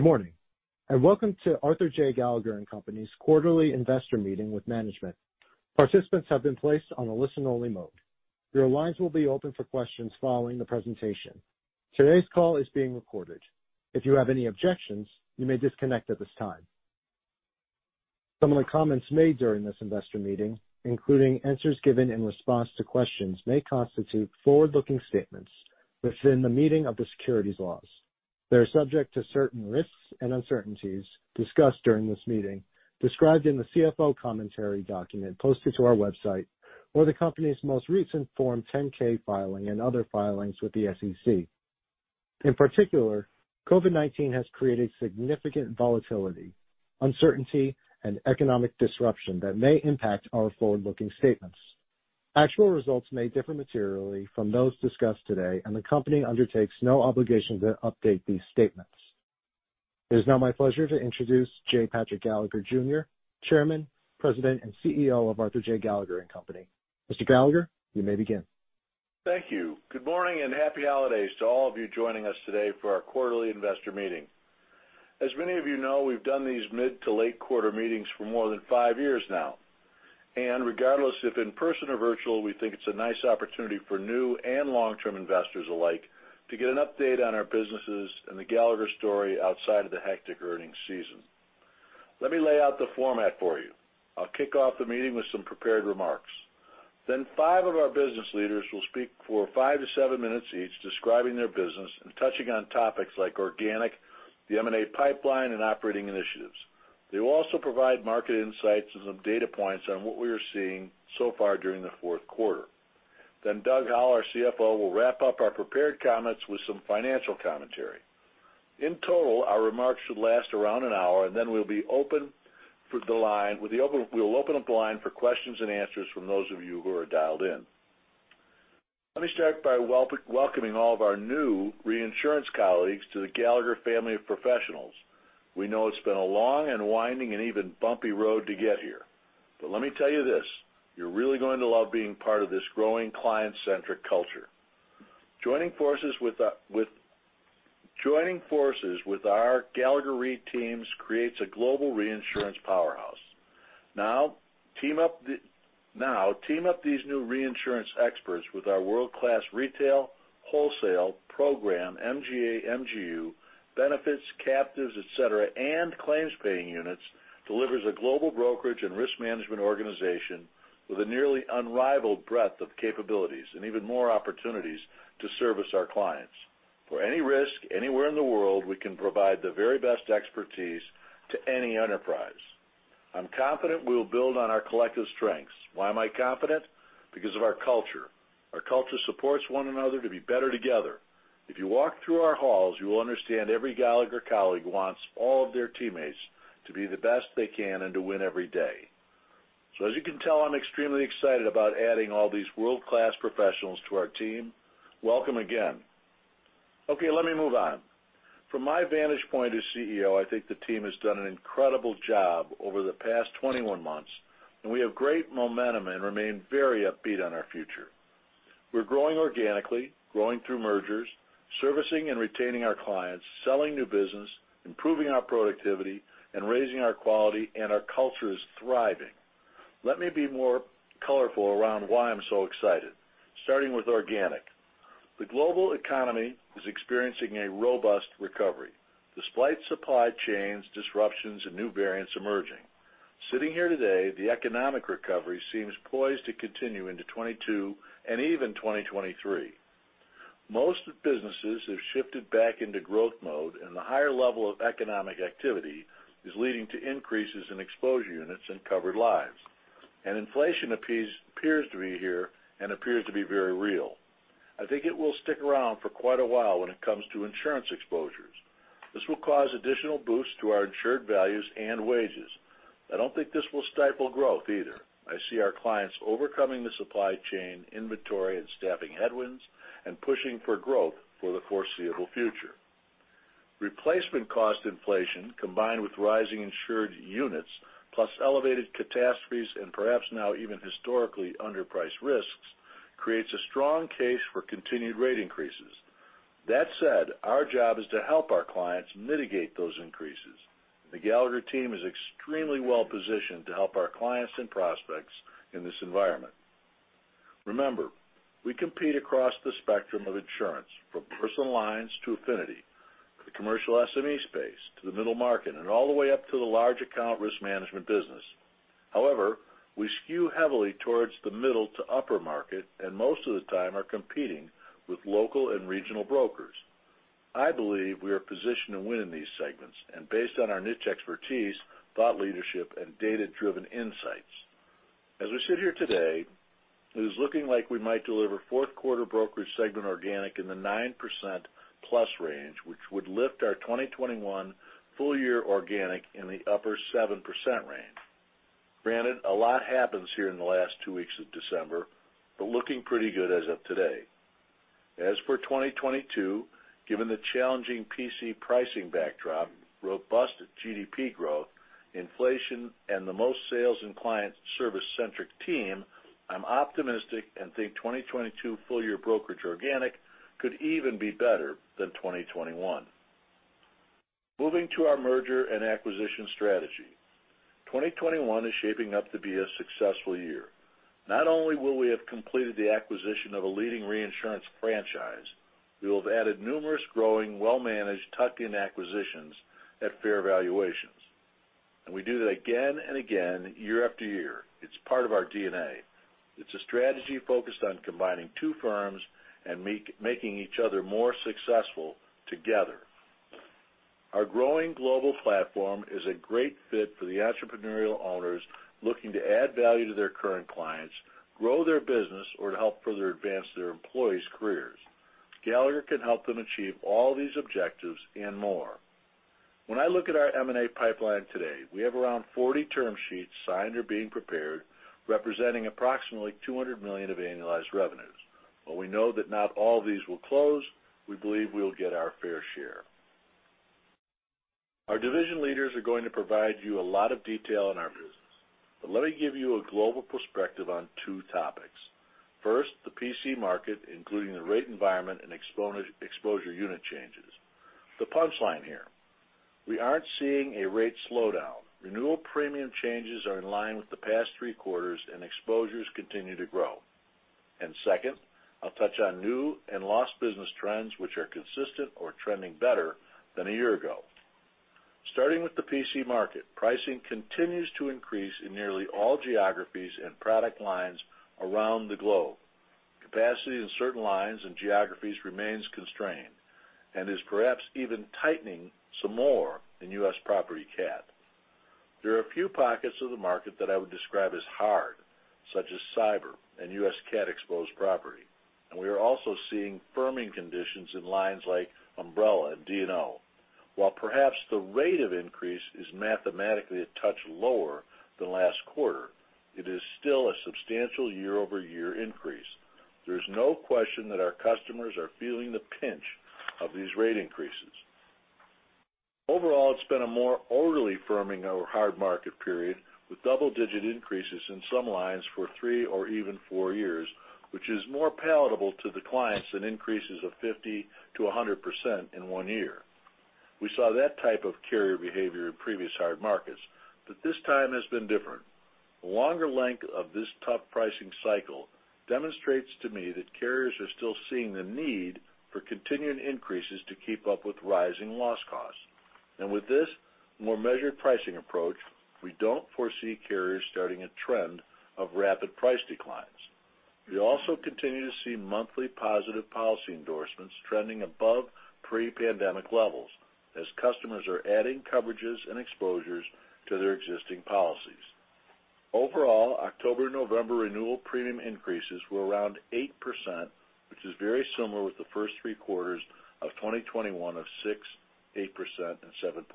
Good morning, and welcome to Arthur J. Gallagher & Co.'s quarterly investor meeting with management. Participants have been placed on a listen-only mode. Your lines will be open for questions following the presentation. Today's call is being recorded. If you have any objections, you may disconnect at this time. Some of the comments made during this investor meeting, including answers given in response to questions, may constitute forward-looking statements within the meaning of the securities laws. They are subject to certain risks and uncertainties discussed during this meeting, described in the CFO Commentary document posted to our website, or the company's most recent Form 10-K filing and other filings with the SEC. In particular, COVID-19 has created significant volatility, uncertainty, and economic disruption that may impact our forward-looking statements. Actual results may differ materially from those discussed today, and the company undertakes no obligation to update these statements. It is now my pleasure to introduce J. Patrick Gallagher Jr., Chairman, President, and CEO of Arthur J. Gallagher & Co. Mr. Gallagher, you may begin. Thank you. Good morning, and happy holidays to all of you joining us today for our quarterly investor meeting. As many of you know, we've done these mid to late quarter meetings for more than five years now. Regardless if in person or virtual, we think it's a nice opportunity for new and long-term investors alike to get an update on our businesses and the Gallagher story outside of the hectic earnings season. Let me lay out the format for you. I'll kick off the meeting with some prepared remarks. Then five of our business leaders will speak for five to seven minutes each, describing their business and touching on topics like organic, the M&A pipeline, and operating initiatives. They will also provide market insights and some data points on what we are seeing so far during the Q4. Doug Howell, our CFO, will wrap up our prepared comments with some financial commentary. In total, our remarks should last around an hour, and then we'll open up the line for questions and answers from those of you who are dialed in. Let me start by welcoming all of our new reinsurance colleagues to the Gallagher family of professionals. We know it's been a long and winding and even bumpy road to get here. Let me tell you this, you're really going to love being part of this growing client-centric culture. Joining forces with our Gallagher Re teams creates a global reinsurance powerhouse. Now, team up these new reinsurance experts with our world-class retail, wholesale, program, MGA, MGU, benefits, captives, et cetera, and claims-paying units delivers a global brokerage and risk management organization with a nearly unrivaled breadth of capabilities and even more opportunities to service our clients. For any risk, anywhere in the world, we can provide the very best expertise to any enterprise. I'm confident we will build on our collective strengths. Why am I confident? Because of our culture. Our culture supports one another to be better together. If you walk through our halls, you will understand every Gallagher colleague wants all of their teammates to be the best they can and to win every day. As you can tell, I'm extremely excited about adding all these world-class professionals to our team. Welcome again. Okay, let me move on. From my vantage point as CEO, I think the team has done an incredible job over the past 21 months, and we have great momentum and remain very upbeat on our future. We're growing organically, growing through mergers, servicing and retaining our clients, selling new business, improving our productivity, and raising our quality, and our culture is thriving. Let me be more colorful around why I'm so excited, starting with organic. The global economy is experiencing a robust recovery despite supply chains disruptions and new variants emerging. Sitting here today, the economic recovery seems poised to continue into 2022 and even 2023. Most businesses have shifted back into growth mode, and the higher level of economic activity is leading to increases in exposure units and covered lives. Inflation appears to be here and appears to be very real. I think it will stick around for quite a while when it comes to insurance exposures. This will cause additional boosts to our insured values and wages. I don't think this will stifle growth either. I see our clients overcoming the supply chain inventory and staffing headwinds and pushing for growth for the foreseeable future. Replacement cost inflation combined with rising insured units, plus elevated catastrophes and perhaps now even historically underpriced risks, creates a strong case for continued rate increases. That said, our job is to help our clients mitigate those increases. The Gallagher team is extremely well-positioned to help our clients and prospects in this environment. Remember, we compete across the spectrum of insurance, from personal lines to affinity, the commercial SME space to the middle market, and all the way up to the large account risk management business. However, we skew heavily towards the middle to upper market, and most of the time are competing with local and regional brokers. I believe we are positioned to win in these segments and based on our niche expertise, thought leadership, and data-driven insights. As we sit here today, it is looking like we might deliver Q4 brokerage segment organic in the 9%+ range, which would lift our 2021 full year organic in the upper 7% range. Granted, a lot happens here in the last two weeks of December, but looking pretty good as of today. As for 2022, given the challenging PC pricing backdrop, robust GDP growth, inflation, and the most sales and client service-centric team. I'm optimistic and think 2022 full year brokerage organic could even be better than 2021. Moving to our merger and acquisition strategy. 2021 is shaping up to be a successful year. Not only will we have completed the acquisition of a leading reinsurance franchise, we will have added numerous growing, well-managed tuck-in acquisitions at fair valuations. We do that again and again, year after year. It's part of our DNA. It's a strategy focused on combining two firms and making each other more successful together. Our growing global platform is a great fit for the entrepreneurial owners looking to add value to their current clients, grow their business, or to help further advance their employees' careers. Gallagher can help them achieve all these objectives and more. When I look at our M&A pipeline today, we have around 40 term sheets signed or being prepared, representing approximately $200 million of annualized revenues. While we know that not all of these will close, we believe we will get our fair share. Our division leaders are going to provide you a lot of detail on our business. But let me give you a global perspective on two topics. First, the PC market, including the rate environment and exposure unit changes. The punch line here, we aren't seeing a rate slowdown. Renewal premium changes are in line with the past three quarters, and exposures continue to grow. Second, I'll touch on new and lost business trends which are consistent or trending better than a year ago. Starting with the PC market, pricing continues to increase in nearly all geographies and product lines around the globe. Capacity in certain lines and geographies remains constrained and is perhaps even tightening some more in US property cat. There are a few pockets of the market that I would describe as hard, such as cyber and US cat-exposed property, and we are also seeing firming conditions in lines like umbrella and D&O. While perhaps the rate of increase is mathematically a touch lower than last quarter, it is still a substantial year-over-year increase. There is no question that our customers are feeling the pinch of these rate increases. Overall, it's been a more orderly firming over hard market period, with double-digit increases in some lines for three or even four years, which is more palatable to the clients than increases of 50% to 100% in one year. We saw that type of carrier behavior in previous hard markets, but this time has been different. The longer length of this tough pricing cycle demonstrates to me that carriers are still seeing the need for continuing increases to keep up with rising loss costs. With this more measured pricing approach, we don't foresee carriers starting a trend of rapid price declines. We also continue to see monthly positive policy endorsements trending above pre-pandemic levels as customers are adding coverages and exposures to their existing policies. Overall, October-November renewal premium increases were around 8%, which is very similar with the first three quarters of 2021 of 6%, 8%, and 7.9%.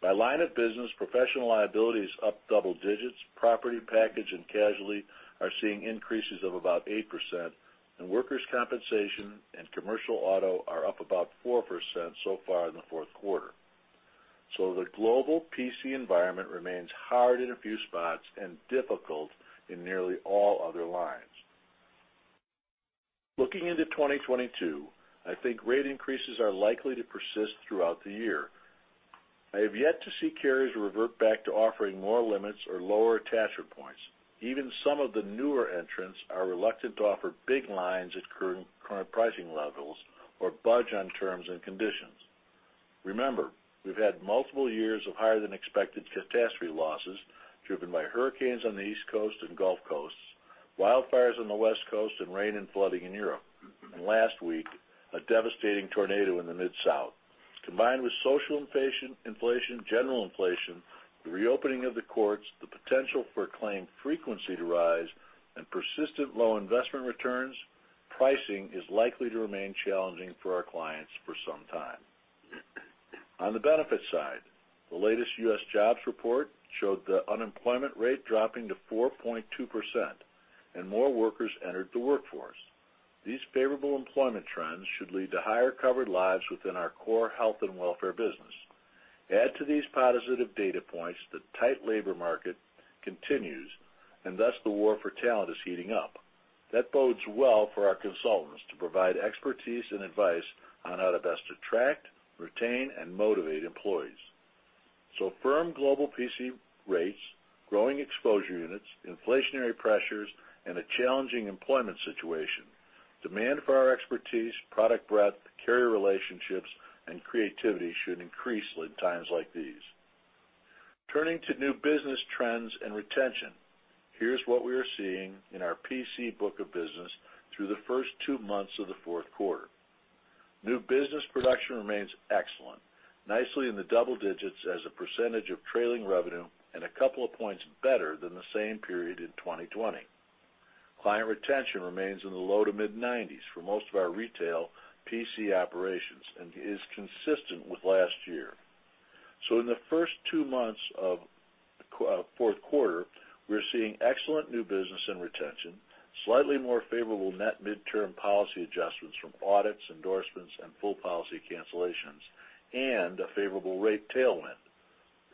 By line of business, professional liability is up double digits, property package and casualty are seeing increases of about 8%, and workers' compensation and commercial auto are up about 4% so far in the Q4. The global PC environment remains hard in a few spots and difficult in nearly all other lines. Looking into 2022, I think rate increases are likely to persist throughout the year. I have yet to see carriers revert back to offering more limits or lower attachment points. Even some of the newer entrants are reluctant to offer big lines at current pricing levels or budge on terms and conditions. Remember, we've had multiple years of higher-than-expected catastrophe losses driven by hurricanes on the East Coast and Gulf Coasts, wildfires on the West Coast, and rain and flooding in Europe. Last week, a devastating tornado in the Mid-South. Combined with social inflation, general inflation, the reopening of the courts, the potential for claim frequency to rise, and persistent low investment returns, pricing is likely to remain challenging for our clients for some time. On the benefit side, the latest US jobs report showed the unemployment rate dropping to 4.2% and more workers entered the workforce. These favorable employment trends should lead to higher covered lives within our core health and welfare business. Add to these positive data points, the tight labor market continues and thus the war for talent is heating up. That bodes well for our consultants to provide expertise and advice on how to best attract, retain, and motivate employees. Firm global PC rates, growing exposure units, inflationary pressures, and a challenging employment situation demand for our expertise, product breadth, carrier relationships, and creativity should increase in times like these. Turning to new business trends and retention, here's what we are seeing in our PC book of business through the first two months of the Q4. New business production remains excellent, nicely in the double digits as a percentage of trailing revenue and a couple of points better than the same period in 2020. Client retention remains in the low- to mid-90s% for most of our retail PC operations and is consistent with last year. In the first two months of Q4, we're seeing excellent new business and retention, slightly more favorable net midterm policy adjustments from audits, endorsements, and full policy cancellations, and a favorable rate tailwind.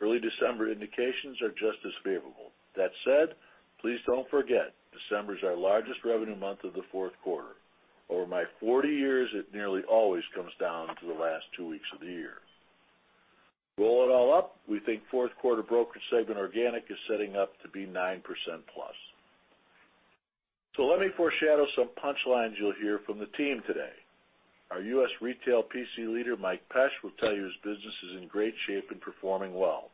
Early December indications are just as favorable. That said, please don't forget, December is our largest revenue month of the Q4. Over my 40 years, it nearly always comes down to the last 2 weeks of the year. Roll it all up, we think Q4 Broker segment organic is setting up to be 9%+. Let me foreshadow some punch lines you'll hear from the team today. Our US Retail PC leader, Mike Pesch, will tell you his business is in great shape and performing well.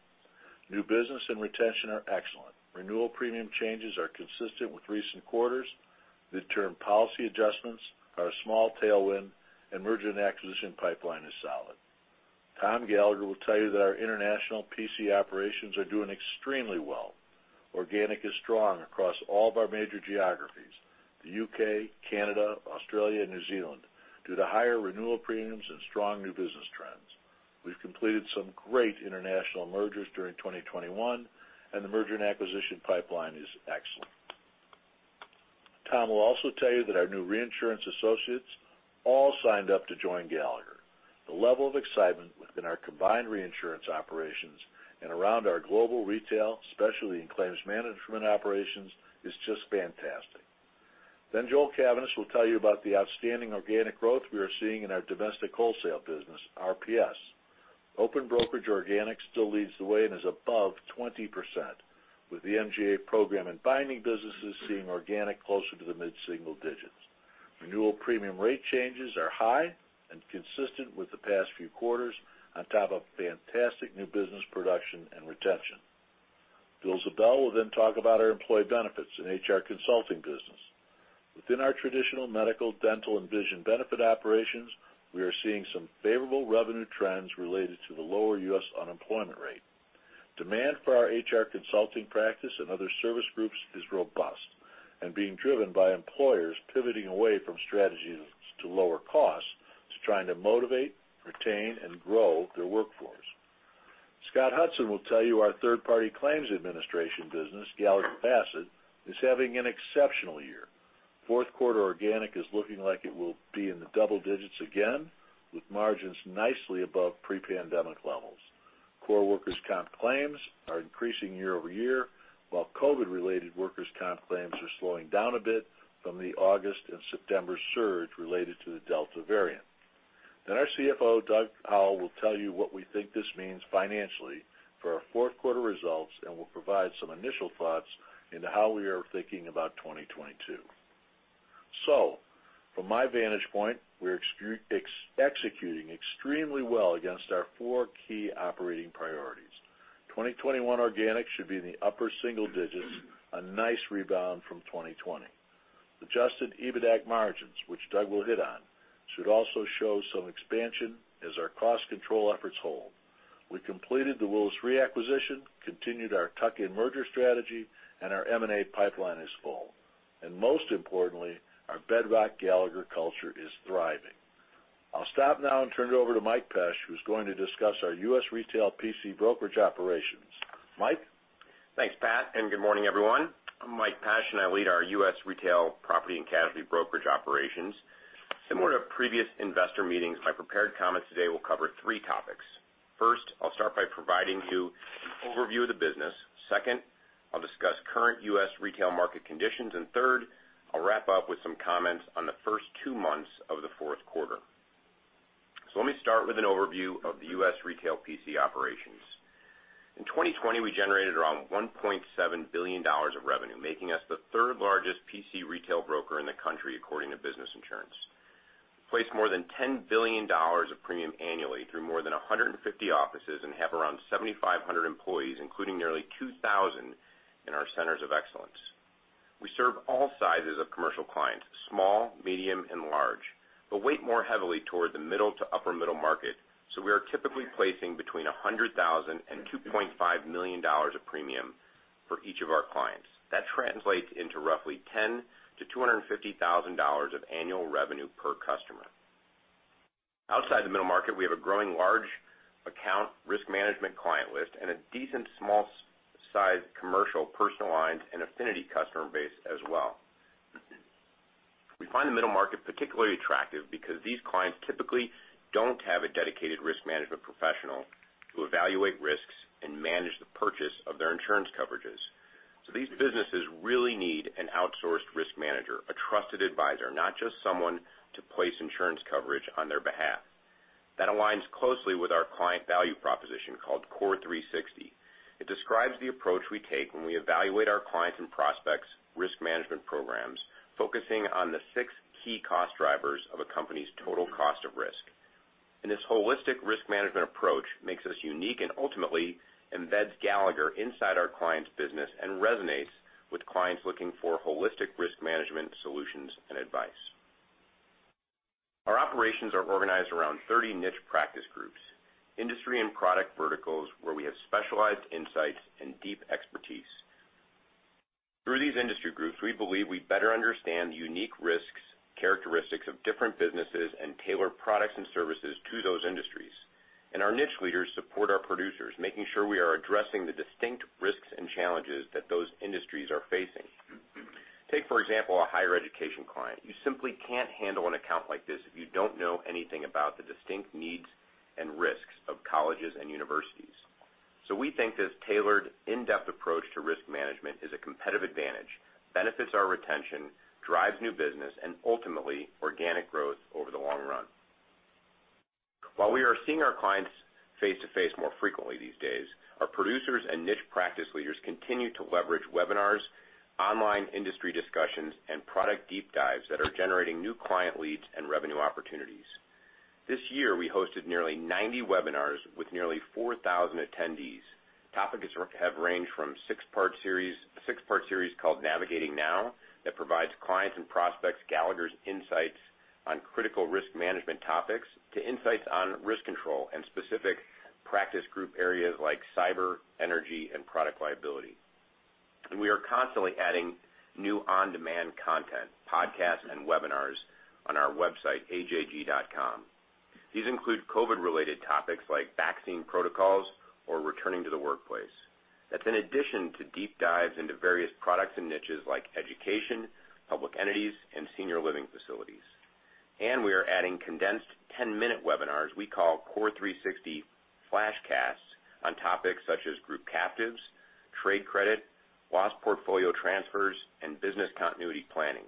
New business and retention are excellent. Renewal premium changes are consistent with recent quarters. Mid-term policy adjustments are a small tailwind, and merger and acquisition pipeline is solid. Tom Gallagher will tell you that our international PC operations are doing extremely well. Organic is strong across all of our major geographies, the UK, Canada, Australia, and New Zealand, due to higher renewal premiums and strong new business trends. We've completed some great international mergers during 2021, and the merger and acquisition pipeline is excellent. Tom will also tell you that our new reinsurance associates all signed up to join Gallagher. The level of excitement within our combined reinsurance operations and around our global retail, especially in claims management operations, is just fantastic. Joel Cavaness will tell you about the outstanding organic growth we are seeing in our domestic wholesale business, RPS. Open brokerage organic still leads the way and is above 20%, with the MGA program and binding businesses seeing organic closer to the mid-single digits. Renewal premium rate changes are high and consistent with the past few quarters on top of fantastic new business production and retention. Will Ziebell will then talk about our employee benefits and HR consulting business. Within our traditional medical, dental, and vision benefit operations, we are seeing some favorable revenue trends related to the lower US unemployment rate. Demand for our HR consulting practice and other service groups is robust and being driven by employers pivoting away from strategies to lower costs to trying to motivate, retain, and grow their workforce. Scott Hudson will tell you our third-party claims administration business, Gallagher Bassett, is having an exceptional year. Fourth quarter organic is looking like it will be in the double digits again, with margins nicely above pre-pandemic levels. Core workers' comp claims are increasing year-over-year, while COVID-related workers' comp claims are slowing down a bit from the August and September surge related to the Delta variant. Then our CFO, Doug Howell, will tell you what we think this means financially for our Q4 results and will provide some initial thoughts into how we are thinking about 2022. From my vantage point, we're executing extremely well against our four key operating priorities. 2021 organic should be in the upper single digits%, a nice rebound from 2020. Adjusted EBITAC margins, which Doug will hit on, should also show some expansion as our cost control efforts hold. We completed the Willis Re acquisition, continued our tuck-in merger strategy, and our M&A pipeline is full. Most importantly, our bedrock Gallagher culture is thriving. I'll stop now and turn it over to Mike Pesch, who's going to discuss our US Retail PC brokerage operations. Mike? Thanks, Pat, and good morning, everyone. I'm Mike Pesch, and I lead our US Retail Property and Casualty brokerage operations. Similar to previous investor meetings, my prepared comments today will cover three topics. First, I'll start by providing you an overview of the business. Second, I'll discuss current US retail market conditions. Third, I'll wrap up with some comments on the first two months of the Q4. Let me start with an overview of the US Retail PC operations. In 2020, we generated around $1.7 billion of revenue, making us the third-largest PC retail broker in the country according to Business Insurance. We place more than $10 billion of premium annually through more than 150 offices and have around 7,500 employees, including nearly 2,000 in our centers of excellence. We serve all sizes of commercial clients, small, medium, and large, but weigh more heavily toward the middle to upper middle market, so we are typically placing between $100,000 and $2.5 million of premium for each of our clients. That translates into roughly $10,000-$250,000 of annual revenue per customer. Outside the middle market, we have a growing large account risk management client list and a decent small-size commercial personal lines and affinity customer base as well. We find the middle market particularly attractive because these clients typically don't have a dedicated risk management professional to evaluate risks and manage the purchase of their insurance coverages. These businesses really need an outsourced risk manager, a trusted advisor, not just someone to place insurance coverage on their behalf. That aligns closely with our client value proposition called Core 360. It describes the approach we take when we evaluate our clients' and prospects' risk management programs, focusing on the six key cost drivers of a company's total cost of risk. This holistic risk management approach makes us unique and ultimately embeds Gallagher inside our client's business and resonates with clients looking for holistic risk management solutions and advice. Our operations are organized around 30 niche practice groups, industry and product verticals where we have specialized insights and deep expertise. Through these industry groups, we believe we better understand the unique risks, characteristics of different businesses and tailor products and services to those industries. Our niche leaders support our producers, making sure we are addressing the distinct risks and challenges that those industries are facing. Take, for example, a higher education client. You simply can't handle an account like this if you don't know anything about the distinct needs and risks of colleges and universities. We think this tailored in-depth approach to risk management is a competitive advantage, benefits our retention, drives new business, and ultimately, organic growth over the long run. While we are seeing our clients face-to-face more frequently these days, our producers and niche practice leaders continue to leverage webinars, online industry discussions, and product deep dives that are generating new client leads and revenue opportunities. This year, we hosted nearly 90 webinars with nearly 4,000 attendees. Topics have ranged from a six-part series called Navigating Now that provides clients and prospects Gallagher's insights on critical risk management topics to insights on risk control and specific practice group areas like cyber, energy, and product liability. We are constantly adding new on-demand content, podcasts, and webinars on our website, ajg.com. These include COVID-related topics like vaccine protocols or returning to the workplace. That's in addition to deep dives into various products and niches like education, public entities, and senior living facilities. We are adding condensed 10-minute webinars we call Core 360 FlashCast on topics such as group captives, trade credit, loss portfolio transfers, and business continuity planning.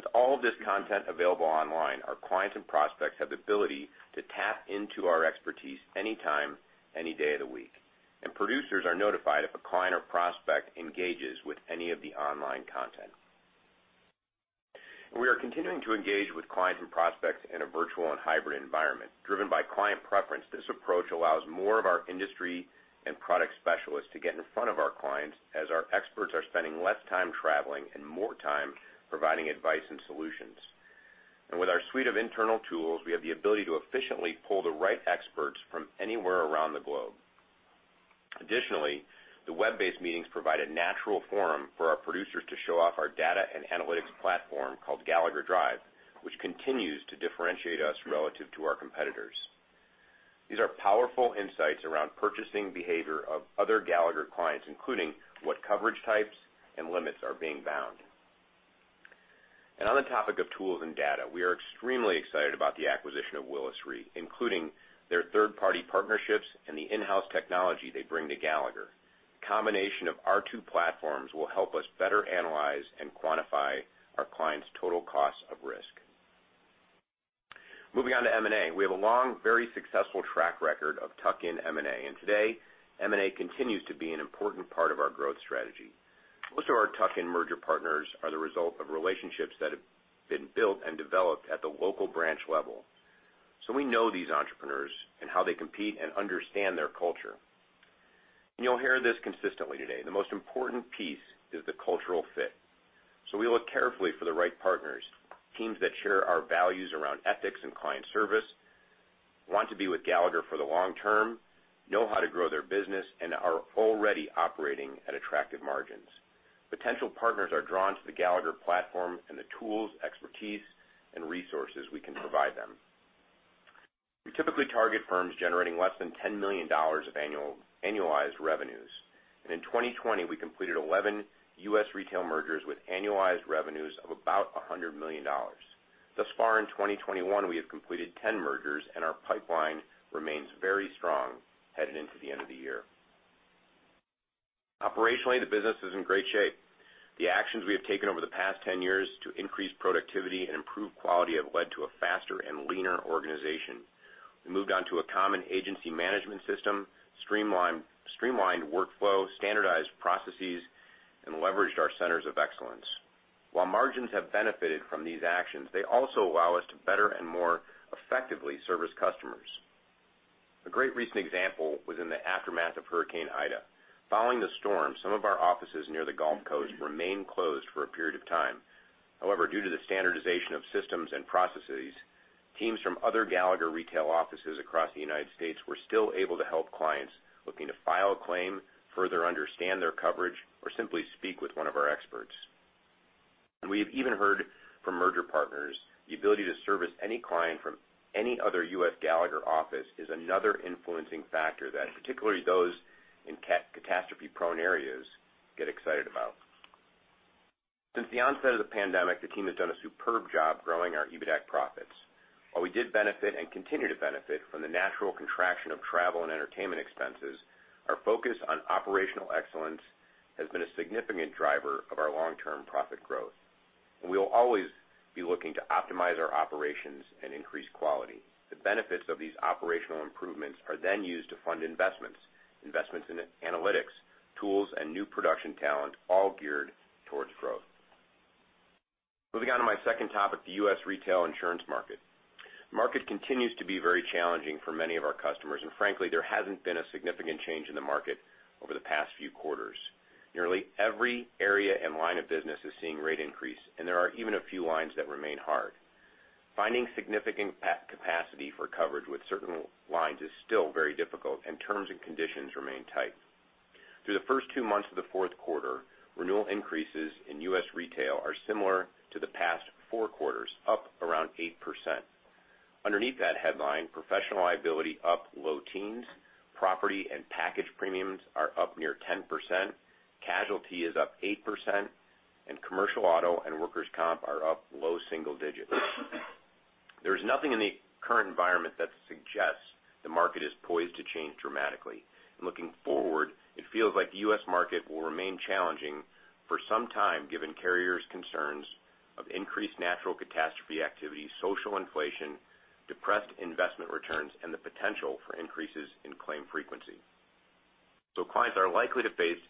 With all of this content available online, our clients and prospects have the ability to tap into our expertise anytime, any day of the week, and producers are notified if a client or prospect engages with any of the online content. We are continuing to engage with clients and prospects in a virtual and hybrid environment. Driven by client preference, this approach allows more of our industry and product specialists to get in front of our clients as our experts are spending less time traveling and more time providing advice and solutions. With our suite of internal tools, we have the ability to efficiently pull the right experts from anywhere around the globe. Additionally, the web-based meetings provide a natural forum for our producers to show off our data and analytics platform called Gallagher Drive, which continues to differentiate us relative to our competitors. These are powerful insights around purchasing behavior of other Gallagher clients, including what coverage types and limits are being bound. On the topic of tools and data, we are extremely excited about the acquisition of Willis Re, including their third-party partnerships and the in-house technology they bring to Gallagher. Combination of our two platforms will help us better analyze and quantify our clients' total cost of risk. Moving on to M&A, we have a long, very successful track record of tuck-in M&A, and today, M&A continues to be an important part of our growth strategy. Most of our tuck-in merger partners are the result of relationships that have been built and developed at the local branch level. We know these entrepreneurs and how they compete and understand their culture. You'll hear this consistently today, the most important piece is the cultural fit. We look carefully for the right partners, teams that share our values around ethics and client service, want to be with Gallagher for the long term, know how to grow their business, and are already operating at attractive margins. Potential partners are drawn to the Gallagher platform and the tools, expertise, and resources we can provide them. We typically target firms generating less than $10 million of annualized revenues. In 2020, we completed 11 US retail mergers with annualized revenues of about $100 million. Thus far in 2021, we have completed 10 mergers, and our pipeline remains very strong headed into the end of the year. Operationally, the business is in great shape. The actions we have taken over the past 10 years to increase productivity and improve quality have led to a faster and leaner organization. We moved on to a common agency management system, streamlined workflow, standardized processes, and leveraged our centers of excellence. While margins have benefited from these actions, they also allow us to better and more effectively service customers. A great recent example was in the aftermath of Hurricane Ida. Following the storm, some of our offices near the Gulf Coast remained closed for a period of time. However, due to the standardization of systems and processes, teams from other Gallagher Retail offices across the United States were still able to help clients looking to file a claim, further understand their coverage, or simply speak with one of our experts. We've even heard from merger partners, the ability to service any client from any other US Gallagher office is another influencing factor that particularly those in catastrophe-prone areas get excited about. Since the onset of the pandemic, the team has done a superb job growing our EBITDA profits. While we did benefit and continue to benefit from the natural contraction of travel and entertainment expenses, our focus on operational excellence has been a significant driver of our long-term profit growth. We will always be looking to optimize our operations and increase quality. The benefits of these operational improvements are then used to fund investments in analytics, tools, and new production talent, all geared towards growth. Moving on to my second topic, the US retail insurance market. Market continues to be very challenging for many of our customers, and frankly, there hasn't been a significant change in the market over the past few quarters. Nearly every area and line of business is seeing rate increase, and there are even a few lines that remain hard. Finding significant capacity for coverage with certain lines is still very difficult, and terms and conditions remain tight. Through the first two months of the Q4, renewal increases in US retail are similar to the four quarters, up around 8%. Underneath that headline, professional liability up low teens, property and package premiums are up near 10%, casualty is up 8%, and commercial auto and workers' comp are up low single digits. There is nothing in the current environment that suggests the market is poised to change dramatically. Looking forward, it feels like the US market will remain challenging for some time, given carriers' concerns of increased natural catastrophe activity, social inflation, depressed investment returns, and the potential for increases in claim frequency. Clients are likely to face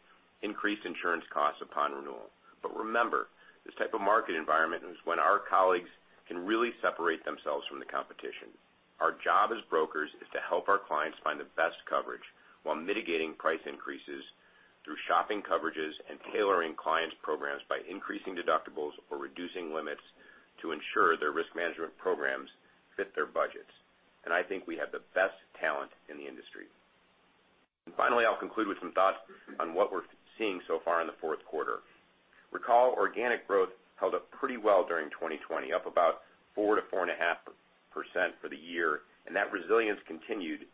increased insurance costs upon renewal. Remember, this type of market environment is when our colleagues can really separate themselves from the competition. Our job as brokers is to help our clients find the best coverage while mitigating price increases through shopping coverages and tailoring clients' programs by increasing deductibles or reducing limits to ensure their risk management programs fit their budgets. I think we have the best talent in the industry. Finally, I'll conclude with some thoughts on what we're seeing so far in the Q4. Recall organic growth held up pretty well during 2020, up about 4%-4.5% for the year, and that resilience continued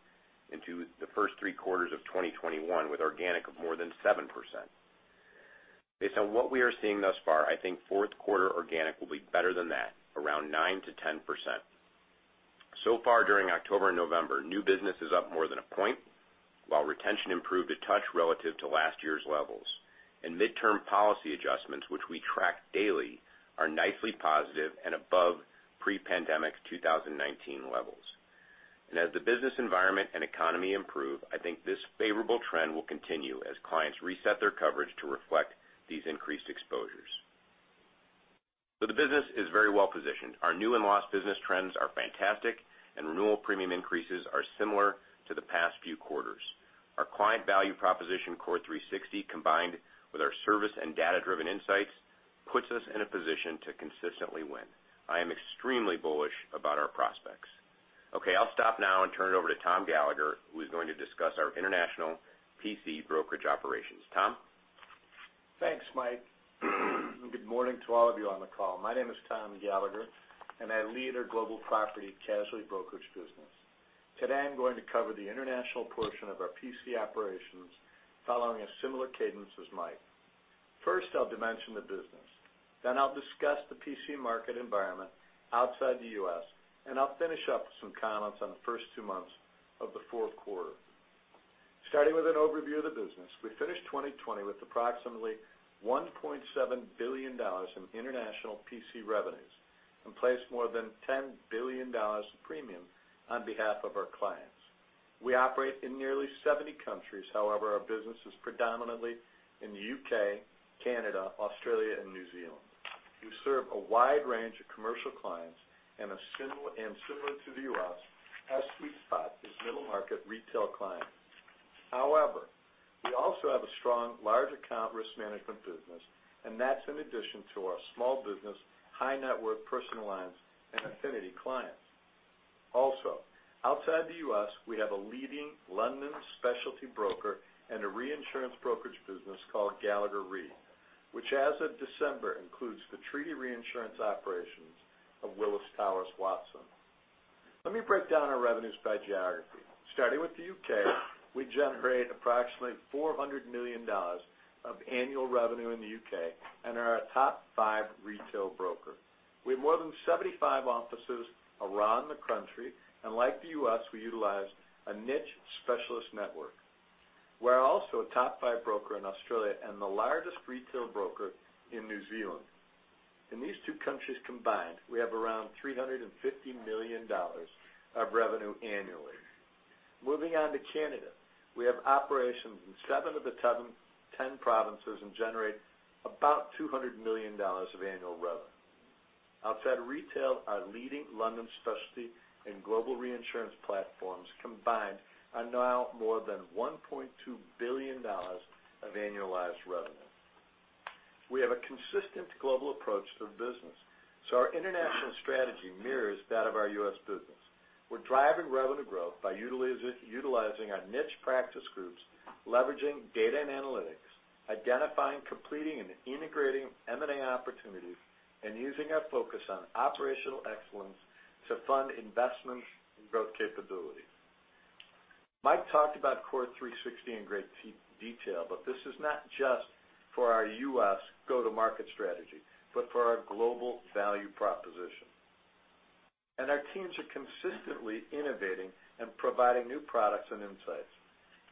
into the first three quarters of 2021, with organic of more than 7%. Based on what we are seeing thus far, I think Q4 organic will be better than that, around 9%-10%. So far during October and November, new business is up more than a point, while retention improved a touch relative to last year's levels. Midterm policy adjustments, which we track daily, are nicely positive and above pre-pandemic 2019 levels. As the business environment and economy improve, I think this favorable trend will continue as clients reset their coverage to reflect these increased exposures. The business is very well positioned. Our new and lost business trends are fantastic, and renewal premium increases are similar to the past few quarters. Our client value proposition, Core 360, combined with our service and data-driven insights, puts us in a position to consistently win. I am extremely bullish about our prospects. Okay, I'll stop now and turn it over to Tom Gallagher, who is going to discuss our international PC brokerage operations. Tom? Thanks, Mike. Good morning to all of you on the call. My name is Tom Gallagher, and I lead our Global Property Casualty Brokerage business. Today, I'm going to cover the international portion of our PC operations following a similar cadence as Mike. First, I'll dimension the business. Then I'll discuss the PC market environment outside the US, and I'll finish up with some comments on the first two months of the Q4. Starting with an overview of the business, we finished 2020 with approximately $1.7 billion in international PC revenues and placed more than $10 billion of premium on behalf of our clients. We operate in nearly 70 countries. However, our business is predominantly in the UK, Canada, Australia, and New Zealand. We serve a wide range of commercial clients, and, similar to the US, our sweet spot is middle-market retail clients. However, we also have a strong large account risk management business, and that's in addition to our small business, high-net-worth personal lines, and affinity clients. Also, outside the US, we have a leading London specialty broker and a reinsurance brokerage business called Gallagher Re, which, as of December, includes the treaty reinsurance operations of Willis Towers Watson. Let me break down our revenues by geography. Starting with the UK, we generate approximately $400 million of annual revenue in the UK and are a top five retail broker. We have more than 75 offices around the country, and like the US, we utilize a niche specialist network. We're also a top five broker in Australia and the largest retail broker in New Zealand. In these two countries combined, we have around $350 million of revenue annually. Moving on to Canada, we have operations in seven of the ten provinces and generate about $200 million of annual revenue. Outside retail, our leading London specialty and global reinsurance platforms combined are now more than $1.2 billion of annualized revenue. We have a consistent global approach to the business, so our international strategy mirrors that of our US business. We're driving revenue growth by utilizing our niche practice groups, leveraging data and analytics, identifying, completing, and integrating M&A opportunities, and using our focus on operational excellence to fund investments in growth capabilities. Mike talked about Core 360 in great detail, but this is not just for our US go-to-market strategy, but for our global value proposition. Our teams are consistently innovating and providing new products and insights.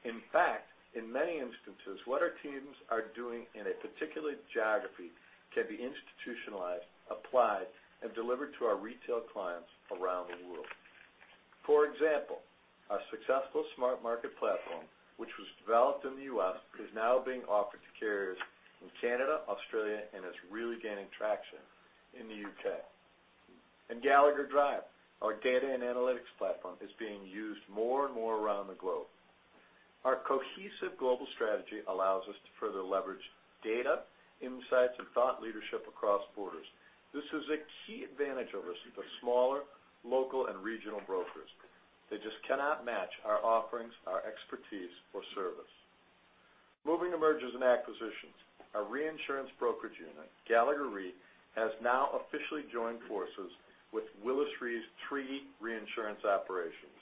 In fact, in many instances, what our teams are doing in a particular geography can be institutionalized, applied, and delivered to our retail clients around the world. For example, our successful SmartMarket platform, which was developed in the US, is now being offered to carriers in Canada, Australia, and is really gaining traction in the UK Gallagher Drive, our data and analytics platform, is being used more and more around the globe. Our cohesive global strategy allows us to further leverage data, insights, and thought leadership across borders. This is a key advantage over the smaller, local, and regional brokers. They just cannot match our offerings, our expertise, or service. Moving to mergers and acquisitions. Our reinsurance brokerage unit, Gallagher Re, has now officially joined forces with Willis Re's three reinsurance operations.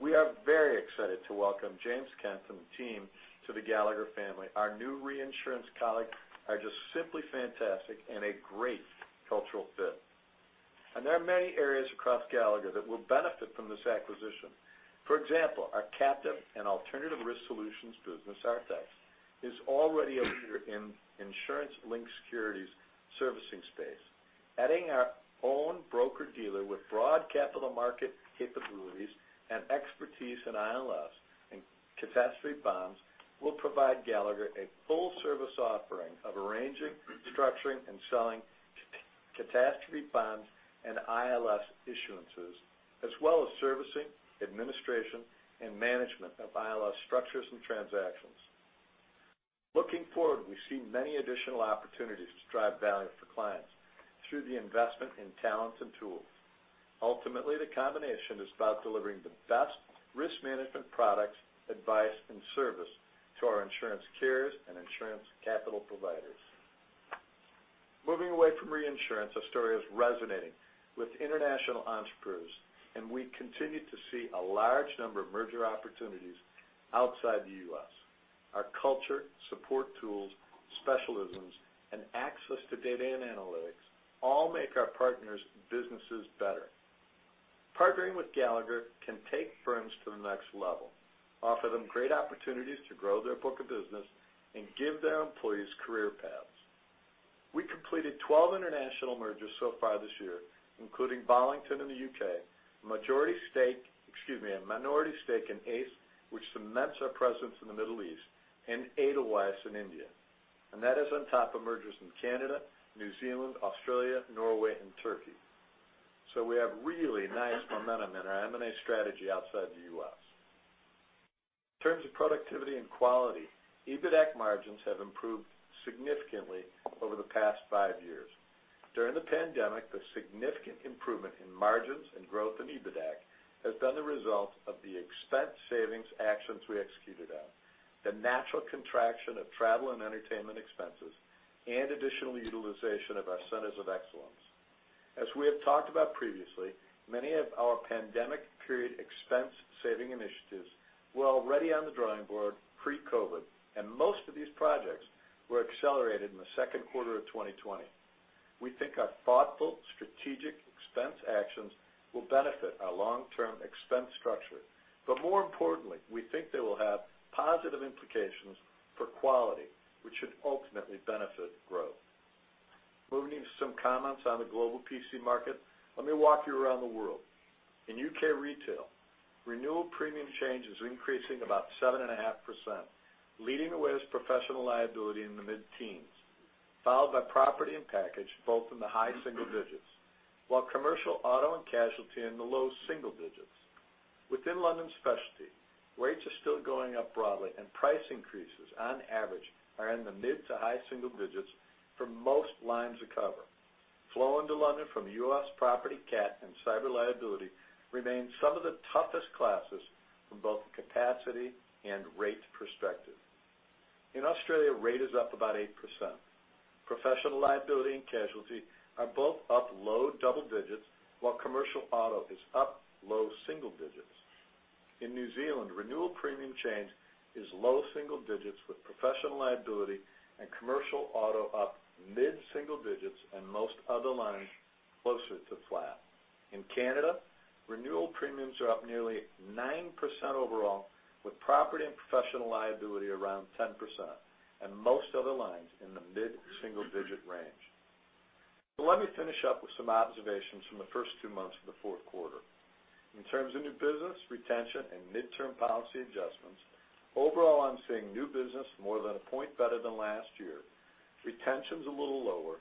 We are very excited to welcome James Kent and the team to the Gallagher family. Our new reinsurance colleagues are just simply fantastic and a great cultural fit. There are many areas across Gallagher that will benefit from this acquisition. For example, our captive and alternative risk solutions business, Artex, is already a leader in insurance-linked securities servicing space. Adding our own broker-dealer with broad capital market capabilities and expertise in ILS and catastrophe bonds will provide Gallagher a full-service offering of arranging, structuring, and selling catastrophe bonds and ILS issuances, as well as servicing, administration, and management of ILS structures and transactions. Looking forward, we see many additional opportunities to drive value for clients through the investment in talents and tools. Ultimately, the combination is about delivering the best risk management products, advice, and service to our insurance carriers and insurance capital providers. Moving away from reinsurance, our story is resonating with international entrepreneurs, and we continue to see a large number of merger opportunities outside the US. Our culture, support tools, specialisms, and access to data and analytics all make our partners' businesses better. Partnering with Gallagher can take firms to the next level, offer them great opportunities to grow their book of business, and give their employees career paths. We completed 12 international mergers so far this year, including Bollington in the UK, a minority stake in Ace, which cements our presence in the Middle East, and Edelweiss in India. That is on top of mergers in Canada, New Zealand, Australia, Norway, and Turkey. We have really nice momentum in our M&A strategy outside the US. In terms of productivity and quality, EBITDA margins have improved significantly over the past five years. During the pandemic, the significant improvement in margins and growth in EBITDA has been the result of the expense savings actions we executed on, the natural contraction of travel and entertainment expenses, and additional utilization of our centers of excellence. As we have talked about previously, many of our pandemic period expense saving initiatives were already on the drawing board pre-COVID, and most of these projects were accelerated in the Q2 of 2020. We think our thoughtful strategic expense actions will benefit our long-term expense structure. More importantly, we think they will have positive implications for quality, which should ultimately benefit growth. Moving to some comments on the global PC market, let me walk you around the world. In UK retail, renewal premium change is increasing about 7.5%, leading the way is professional liability in the mid-teens, followed by property and package, both in the high single digits, while commercial auto and casualty in the low single digits. Within London specialty, rates are still going up broadly and price increases on average are in the mid to high single digits for most lines of cover. Flow into London from US property cat and cyber liability remains some of the toughest classes from both a capacity and rate perspective. In Australia, rate is up about 8%. Professional liability and casualty are both up low double digits, while commercial auto is up low single digits. In New Zealand, renewal premium change is low single digits, with professional liability and commercial auto up mid-single digits and most other lines closer to flat. In Canada, renewal premiums are up nearly 9% overall, with property and professional liability around 10%, and most other lines in the mid-single-digit range. Let me finish up with some observations from the first two months of the Q4. In terms of new business, retention, and midterm policy adjustments, overall, I'm seeing new business more than a point better than last year. Retention's a little lower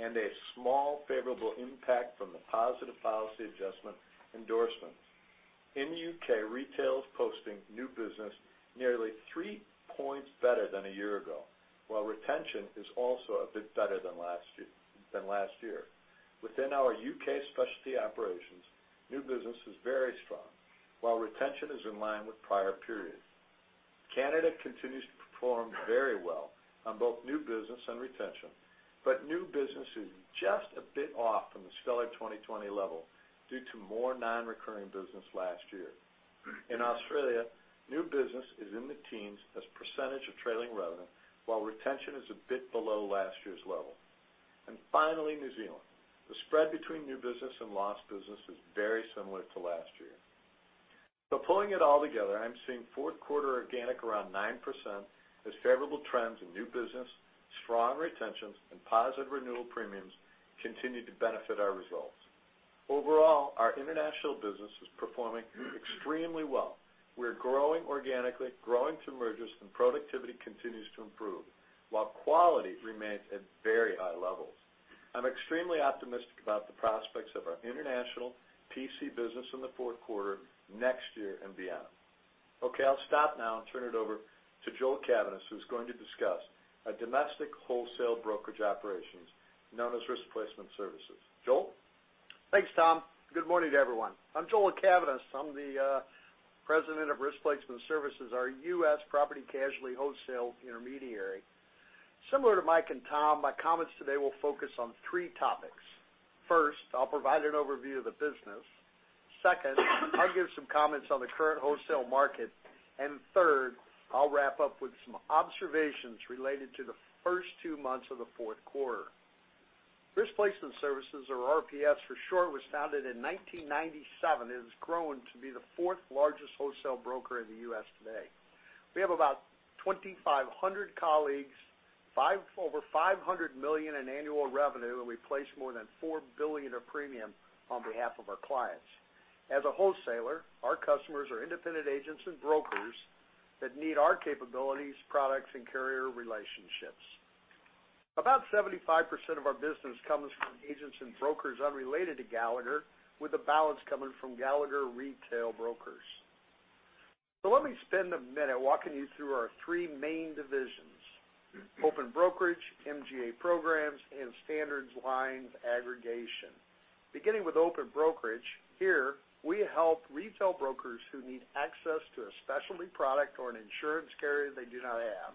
and a small favorable impact from the positive policy adjustment endorsements. In the UK, retail is posting new business nearly three points better than a year ago, while retention is also a bit better than last year. Within our UK specialty operations, new business is very strong, while retention is in line with prior periods. Canada continues to perform very well on both new business and retention, but new business is just a bit off from the stellar 2020 level due to more non-recurring business last year. In Australia, new business is in the teens as percentage of trailing revenue, while retention is a bit below last year's level. Finally, New Zealand. The spread between new business and lost business is very similar to last year. Pulling it all together, I'm seeing Q4 organic around 9% as favorable trends in new business, strong retentions, and positive renewal premiums continue to benefit our results. Overall, our international business is performing extremely well. We're growing organically, growing through mergers, and productivity continues to improve, while quality remains at very high levels. I'm extremely optimistic about the prospects of our international PC business in the Q4, next year, and beyond. Okay, I'll stop now and turn it over to Joel Cavaness, who's going to discuss our domestic wholesale brokerage operations known as Risk Placement Services. Joel? Thanks, Tom. Good morning to everyone. I'm Joel Cavaness. I'm the President of Risk Placement Services, our US property casualty wholesale intermediary. Similar to Mike and Tom, my comments today will focus on three topics. First, I'll provide an overview of the business. Second, I'll give some comments on the current wholesale market. Third, I'll wrap up with some observations related to the first two months of the Q4. Risk Placement Services, or RPS for short, was founded in 1997 and has grown to be the fourth largest wholesale broker in the US today. We have about 2,500 colleagues, over $500 million in annual revenue, and we place more than $4 billion of premium on behalf of our clients. As a wholesaler, our customers are independent agents and brokers that need our capabilities, products, and carrier relationships. About 75% of our business comes from agents and brokers unrelated to Gallagher, with the balance coming from Gallagher retail brokers. Let me spend a minute walking you through our three main divisions, open brokerage, MGA programs, and standard lines aggregation. Beginning with open brokerage, here, we help retail brokers who need access to a specialty product or an insurance carrier they do not have.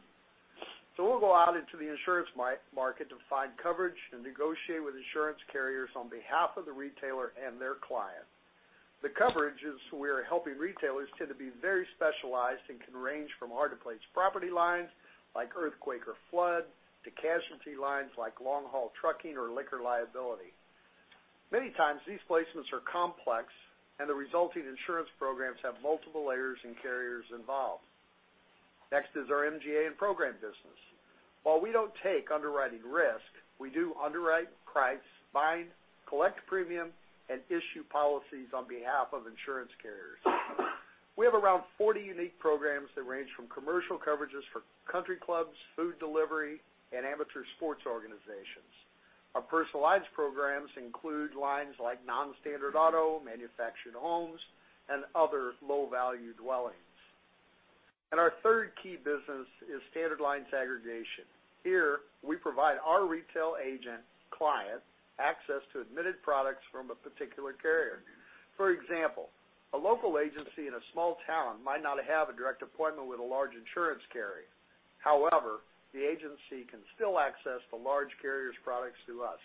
We'll go out into the insurance market to find coverage and negotiate with insurance carriers on behalf of the retailer and their client. The coverages we are helping retailers tend to be very specialized and can range from hard-to-place property lines, like earthquake or flood, to casualty lines like long-haul trucking or liquor liability. Many times, these placements are complex and the resulting insurance programs have multiple layers and carriers involved. Next is our MGA and program business. While we don't take underwriting risk, we do underwrite, price, bind, collect premium, and issue policies on behalf of insurance carriers. We have around 40 unique programs that range from commercial coverages for country clubs, food delivery, and amateur sports organizations. Our personal lines programs include lines like non-standard auto, manufactured homes, and other low-value dwellings. Our third key business is standard lines aggregation. Here, we provide our retail agent client access to admitted products from a particular carrier. For example, a local agency in a small town might not have a direct appointment with a large insurance carrier. However, the agency can still access the large carrier's products through us.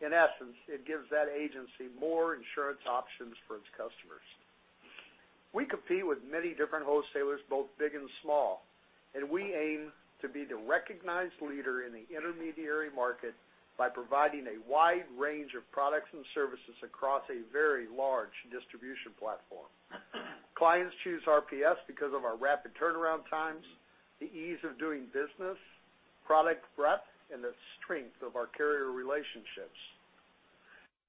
In essence, it gives that agency more insurance options for its customers. We compete with many different wholesalers, both big and small, and we aim to be the recognized leader in the intermediary market by providing a wide range of products and services across a very large distribution platform. Clients choose RPS because of our rapid turnaround times, the ease of doing business, product breadth, and the strength of our carrier relationships.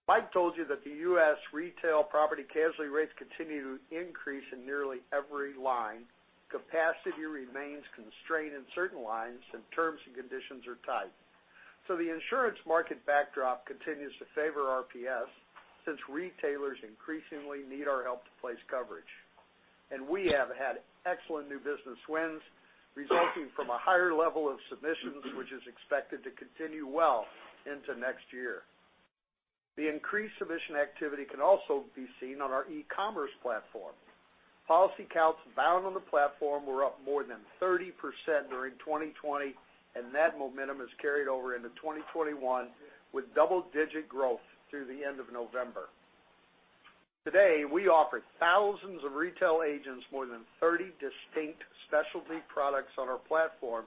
Mike told you that the US retail property casualty rates continue to increase in nearly every line, capacity remains constrained in certain lines, and terms and conditions are tight. The insurance market backdrop continues to favor RPS since retailers increasingly need our help to place coverage, and we have had excellent new business wins resulting from a higher level of submissions, which is expected to continue well into next year. The increased submission activity can also be seen on our e-commerce platform. Policy counts bound on the platform were up more than 30% during 2020, and that momentum has carried over into 2021 with double-digit growth through the end of November. Today, we offer thousands of retail agents more than 30 distinct specialty products on our platform,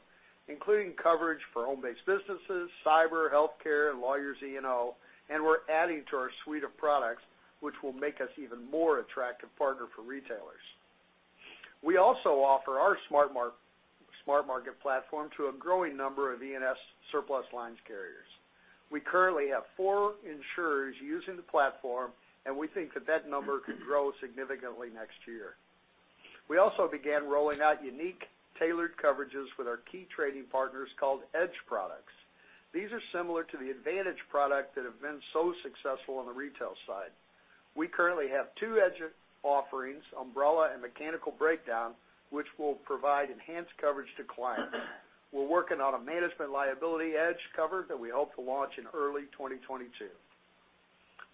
including coverage for home-based businesses, cyber, healthcare, lawyers E&O, and we're adding to our suite of products, which will make us an even more attractive partner for retailers. We also offer our SmartMarket platform to a growing number of E&S surplus lines carriers. We currently have 4 insurers using the platform, and we think that number could grow significantly next year. We also began rolling out unique tailored coverages with our key trading partners called Edge products. These are similar to the Advantage product that have been so successful on the retail side. We currently have two Edge offerings, umbrella and mechanical breakdown, which will provide enhanced coverage to clients. We're working on a management liability Edge cover that we hope to launch in early 2022.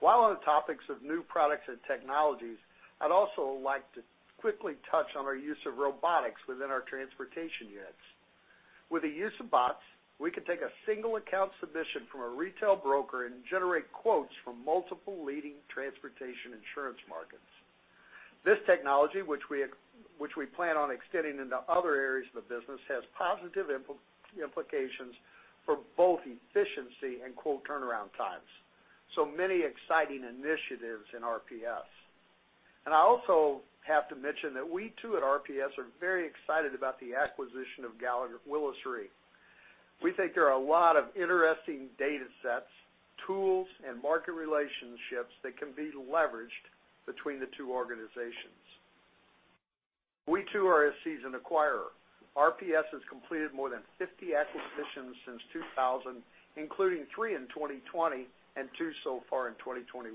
While on the topics of new products and technologies, I'd also like to quickly touch on our use of robotics within our transportation units. With the use of bots, we can take a single account submission from a retail broker and generate quotes from multiple leading transportation insurance markets. This technology, which we plan on extending into other areas of the business, has positive implications for both efficiency and quote turnaround times. Many exciting initiatives in RPS. I also have to mention that we, too, at RPS are very excited about the acquisition of Willis Re. We think there are a lot of interesting data sets, tools, and market relationships that can be leveraged between the two organizations. We, too, are a seasoned acquirer. RPS has completed more than 50 acquisitions since 2000, including three in 2020 and two so far in 2021.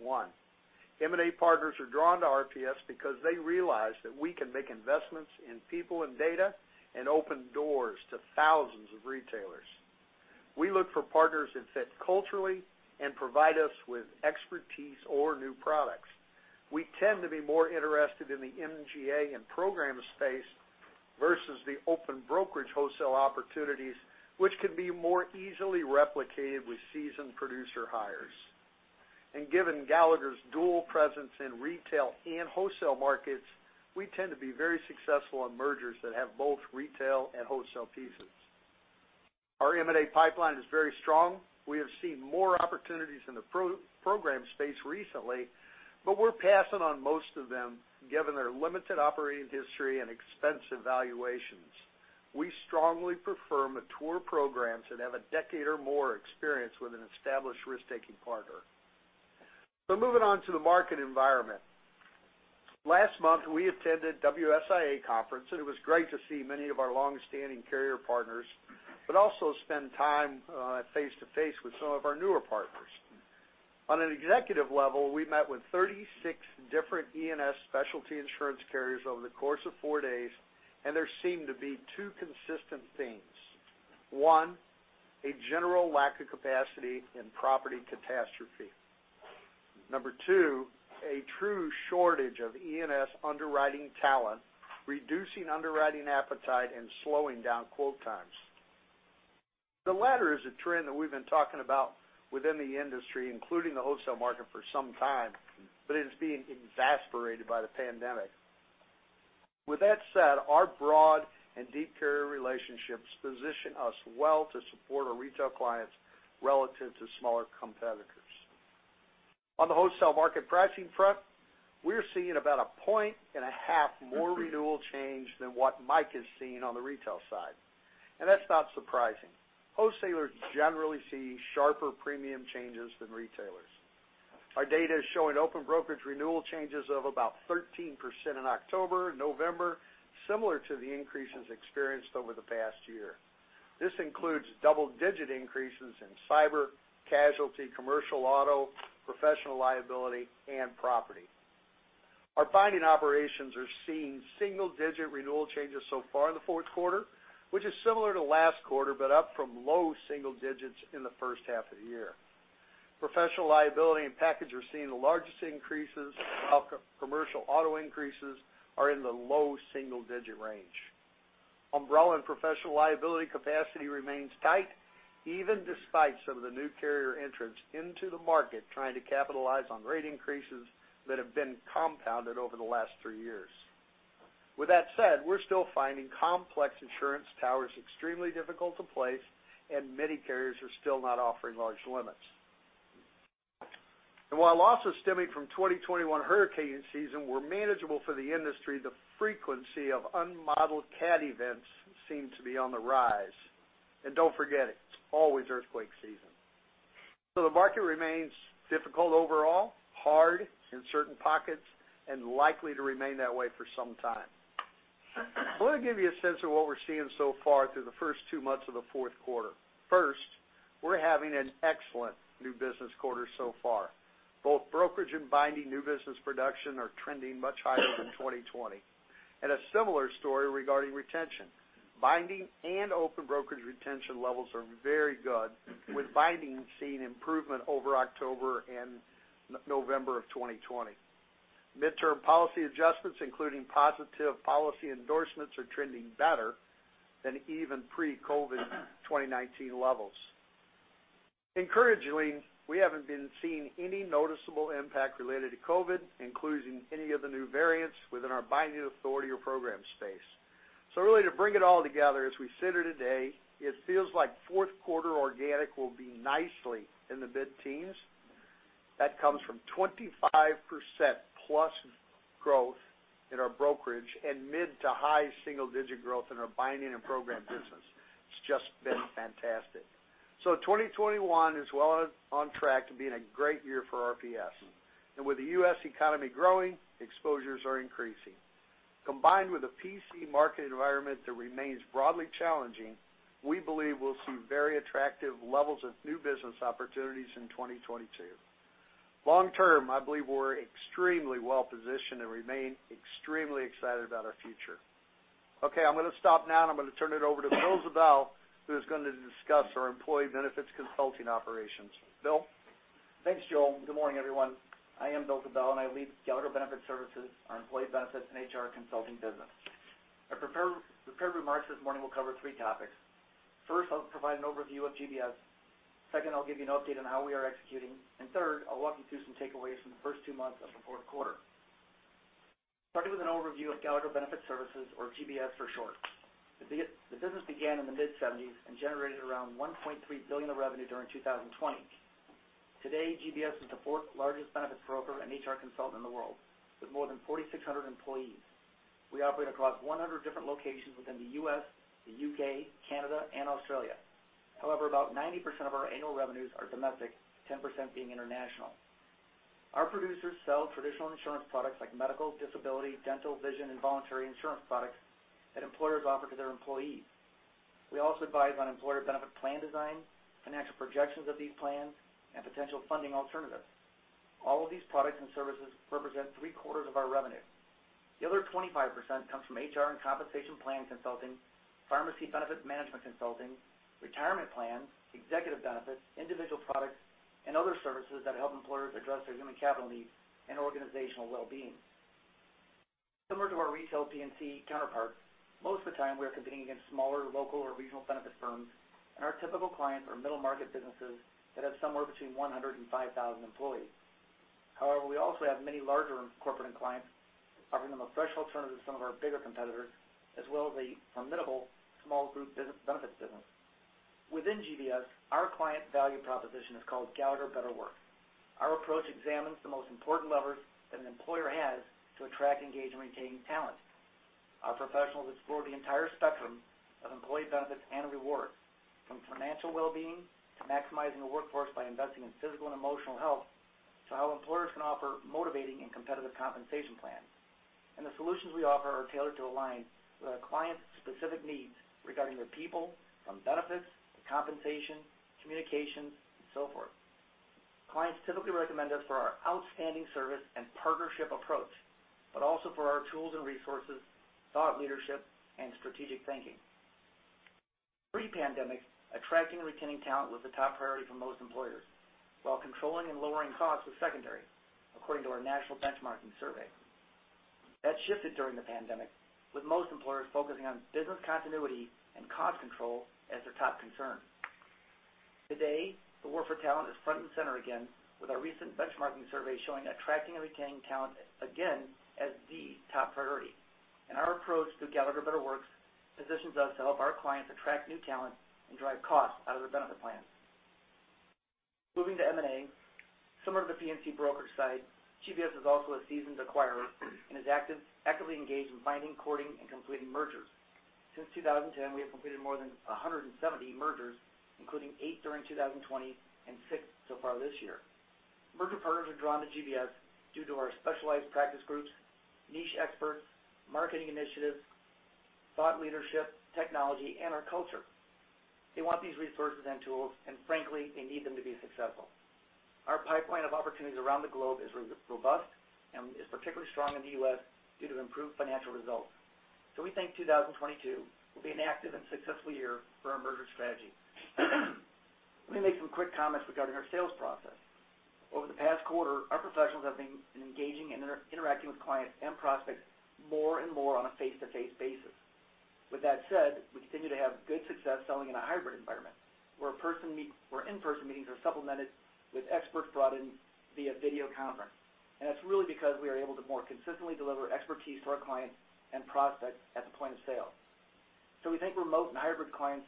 M&A partners are drawn to RPS because they realize that we can make investments in people and data and open doors to thousands of retailers. We look for partners that fit culturally and provide us with expertise or new products. We tend to be more interested in the MGA and program space versus the open brokerage wholesale opportunities, which can be more easily replicated with seasoned producer hires. Given Gallagher's dual presence in retail and wholesale markets, we tend to be very successful on mergers that have both retail and wholesale pieces. Our M&A pipeline is very strong. We have seen more opportunities in the pro-program space recently, but we're passing on most of them given their limited operating history and expensive valuations. We strongly prefer mature programs that have a decade or more experience with an established risk-taking partner. Moving on to the market environment. Last month, we attended WSIA conference, and it was great to see many of our long-standing carrier partners, but also spend time, face-to-face with some of our newer partners. On an executive level, we met with 36 different E&S specialty insurance carriers over the course of four days, and there seemed to be two consistent themes. One, a general lack of capacity in property catastrophe. Number two, a true shortage of E&S underwriting talent, reducing underwriting appetite and slowing down quote times. The latter is a trend that we've been talking about within the industry, including the wholesale market, for some time, but it is being exacerbated by the pandemic. With that said, our broad and deep carrier relationships position us well to support our retail clients relative to smaller competitors. On the wholesale market pricing front, we're seeing about 1.5 more renewal change than what Mike is seeing on the retail side, and that's not surprising. Wholesalers generally see sharper premium changes than retailers. Our data is showing open brokerage renewal changes of about 13% in October, November, similar to the increases experienced over the past year. This includes double-digit increases in cyber, casualty, commercial auto, professional liability, and property. Our binding operations are seeing single-digit renewal changes so far in the Q4, which is similar to last quarter, but up from low single digits in the H1 of the year. Professional liability and package are seeing the largest increases, while commercial auto increases are in the low single-digit range. Umbrella and professional liability capacity remains tight, even despite some of the new carrier entrants into the market trying to capitalize on rate increases that have been compounded over the last three years. With that said, we're still finding complex insurance towers extremely difficult to place, and many carriers are still not offering large limits. While losses stemming from 2021 hurricane season were manageable for the industry, the frequency of unmodeled cat events seem to be on the rise. Don't forget, it's always earthquake season. The market remains difficult overall, hard in certain pockets, and likely to remain that way for some time. I wanna give you a sense of what we're seeing so far through the first two months of the Q4. First, we're having an excellent new business quarter so far. Both brokerage and binding new business production are trending much higher than 2020. A similar story regarding retention. Binding and open brokerage retention levels are very good, with binding seeing improvement over October and November of 2020. Mid-term policy adjustments, including positive policy endorsements, are trending better than even pre-COVID 2019 levels. Encouragingly, we haven't been seeing any noticeable impact related to COVID, including any of the new variants, within our binding authority or program space. Really, to bring it all together, as we sit here today, it feels like Q4 organic will be nicely in the mid-teens. That comes from 25%+ growth in our brokerage and mid- to high single-digit growth in our binding and program business. It's just been fantastic. 2021 is well on track to being a great year for RPS. With the US economy growing, exposures are increasing. Combined with a PC market environment that remains broadly challenging, we believe we'll see very attractive levels of new business opportunities in 2022. Long term, I believe we're extremely well positioned and remain extremely excited about our future. Okay, I'm gonna stop now, and I'm gonna turn it over to Will Ziebell, who's gonna discuss our employee benefits consulting operations. Will? Thanks, Joe. Good morning, everyone. I am Will Ziebell, and I lead Gallagher Benefit Services, our employee benefits and HR consulting business. Our prepared remarks this morning will cover three topics. First, I'll provide an overview of GBS. Second, I'll give you an update on how we are executing. Third, I'll walk you through some takeaways from the first two months of the Q4. Starting with an overview of Gallagher Benefit Services or GBS for short. The business began in the mid-seventies and generated around $1.3 billion of revenue during 2020. Today, GBS is the fourth largest benefits broker and HR consultant in the world with more than 4,600 employees. We operate across 100 different locations within the US, the UK, Canada, and Australia. However, about 90% of our annual revenues are domestic, 10% being international. Our producers sell traditional insurance products like medical, disability, dental, vision, and voluntary insurance products that employers offer to their employees. We also advise on employer benefit plan design, financial projections of these plans, and potential funding alternatives. All of these products and services represent three quarters of our revenue. The other 25% comes from HR and compensation plan consulting, pharmacy benefit management consulting, retirement plans, executive benefits, individual products, and other services that help employers address their human capital needs and organizational well-being. Similar to our retail P&C counterparts, most of the time we are competing against smaller, local or regional benefit firms, and our typical clients are middle-market businesses that have somewhere between 100 and 5,000 employees. However, we also have many larger corporate clients, offering them a fresh alternative to some of our bigger competitors, as well as a formidable small group business benefits business. Within GBS, our client value proposition is called Gallagher Better Works. Our approach examines the most important levers that an employer has to attract, engage, and retain talent. Our professionals explore the entire spectrum of employee benefits and rewards, from financial well-being to maximizing the workforce by investing in physical and emotional health, to how employers can offer motivating and competitive compensation plans. The solutions we offer are tailored to align with our clients' specific needs regarding their people from benefits to compensation, communications, and so forth. Clients typically recommend us for our outstanding service and partnership approach, but also for our tools and resources, thought leadership, and strategic thinking. Pre-pandemic, attracting and retaining talent was the top priority for most employers, while controlling and lowering costs was secondary, according to our national benchmarking survey. That shifted during the pandemic, with most employers focusing on business continuity and cost control as their top concern. Today, the war for talent is front and center again, with our recent benchmarking survey showing attracting and retaining talent again as the top priority. Our approach through Gallagher Better Works positions us to help our clients attract new talent and drive costs out of their benefit plans. Moving to M&A, similar to the P&C broker side, GBS is also a seasoned acquirer and is actively engaged in finding, courting, and completing mergers. Since 2010, we have completed more than 170 mergers, including eight during 2020 and six so far this year. Merger partners are drawn to GBS due to our specialized practice groups, niche experts, marketing initiatives, thought leadership, technology, and our culture. They want these resources and tools, and frankly, they need them to be successful. Our pipeline of opportunities around the globe is robust and is particularly strong in the US due to improved financial results. We think 2022 will be an active and successful year for our merger strategy. Let me make some quick comments regarding our sales process. Over the past quarter, our professionals have been engaging and interacting with clients and prospects more and more on a face-to-face basis. With that said, we continue to have good success selling in a hybrid environment where in-person meetings are supplemented with experts brought in via video conference. That's really because we are able to more consistently deliver expertise to our clients and prospects at the point of sale. We think remote and hybrid client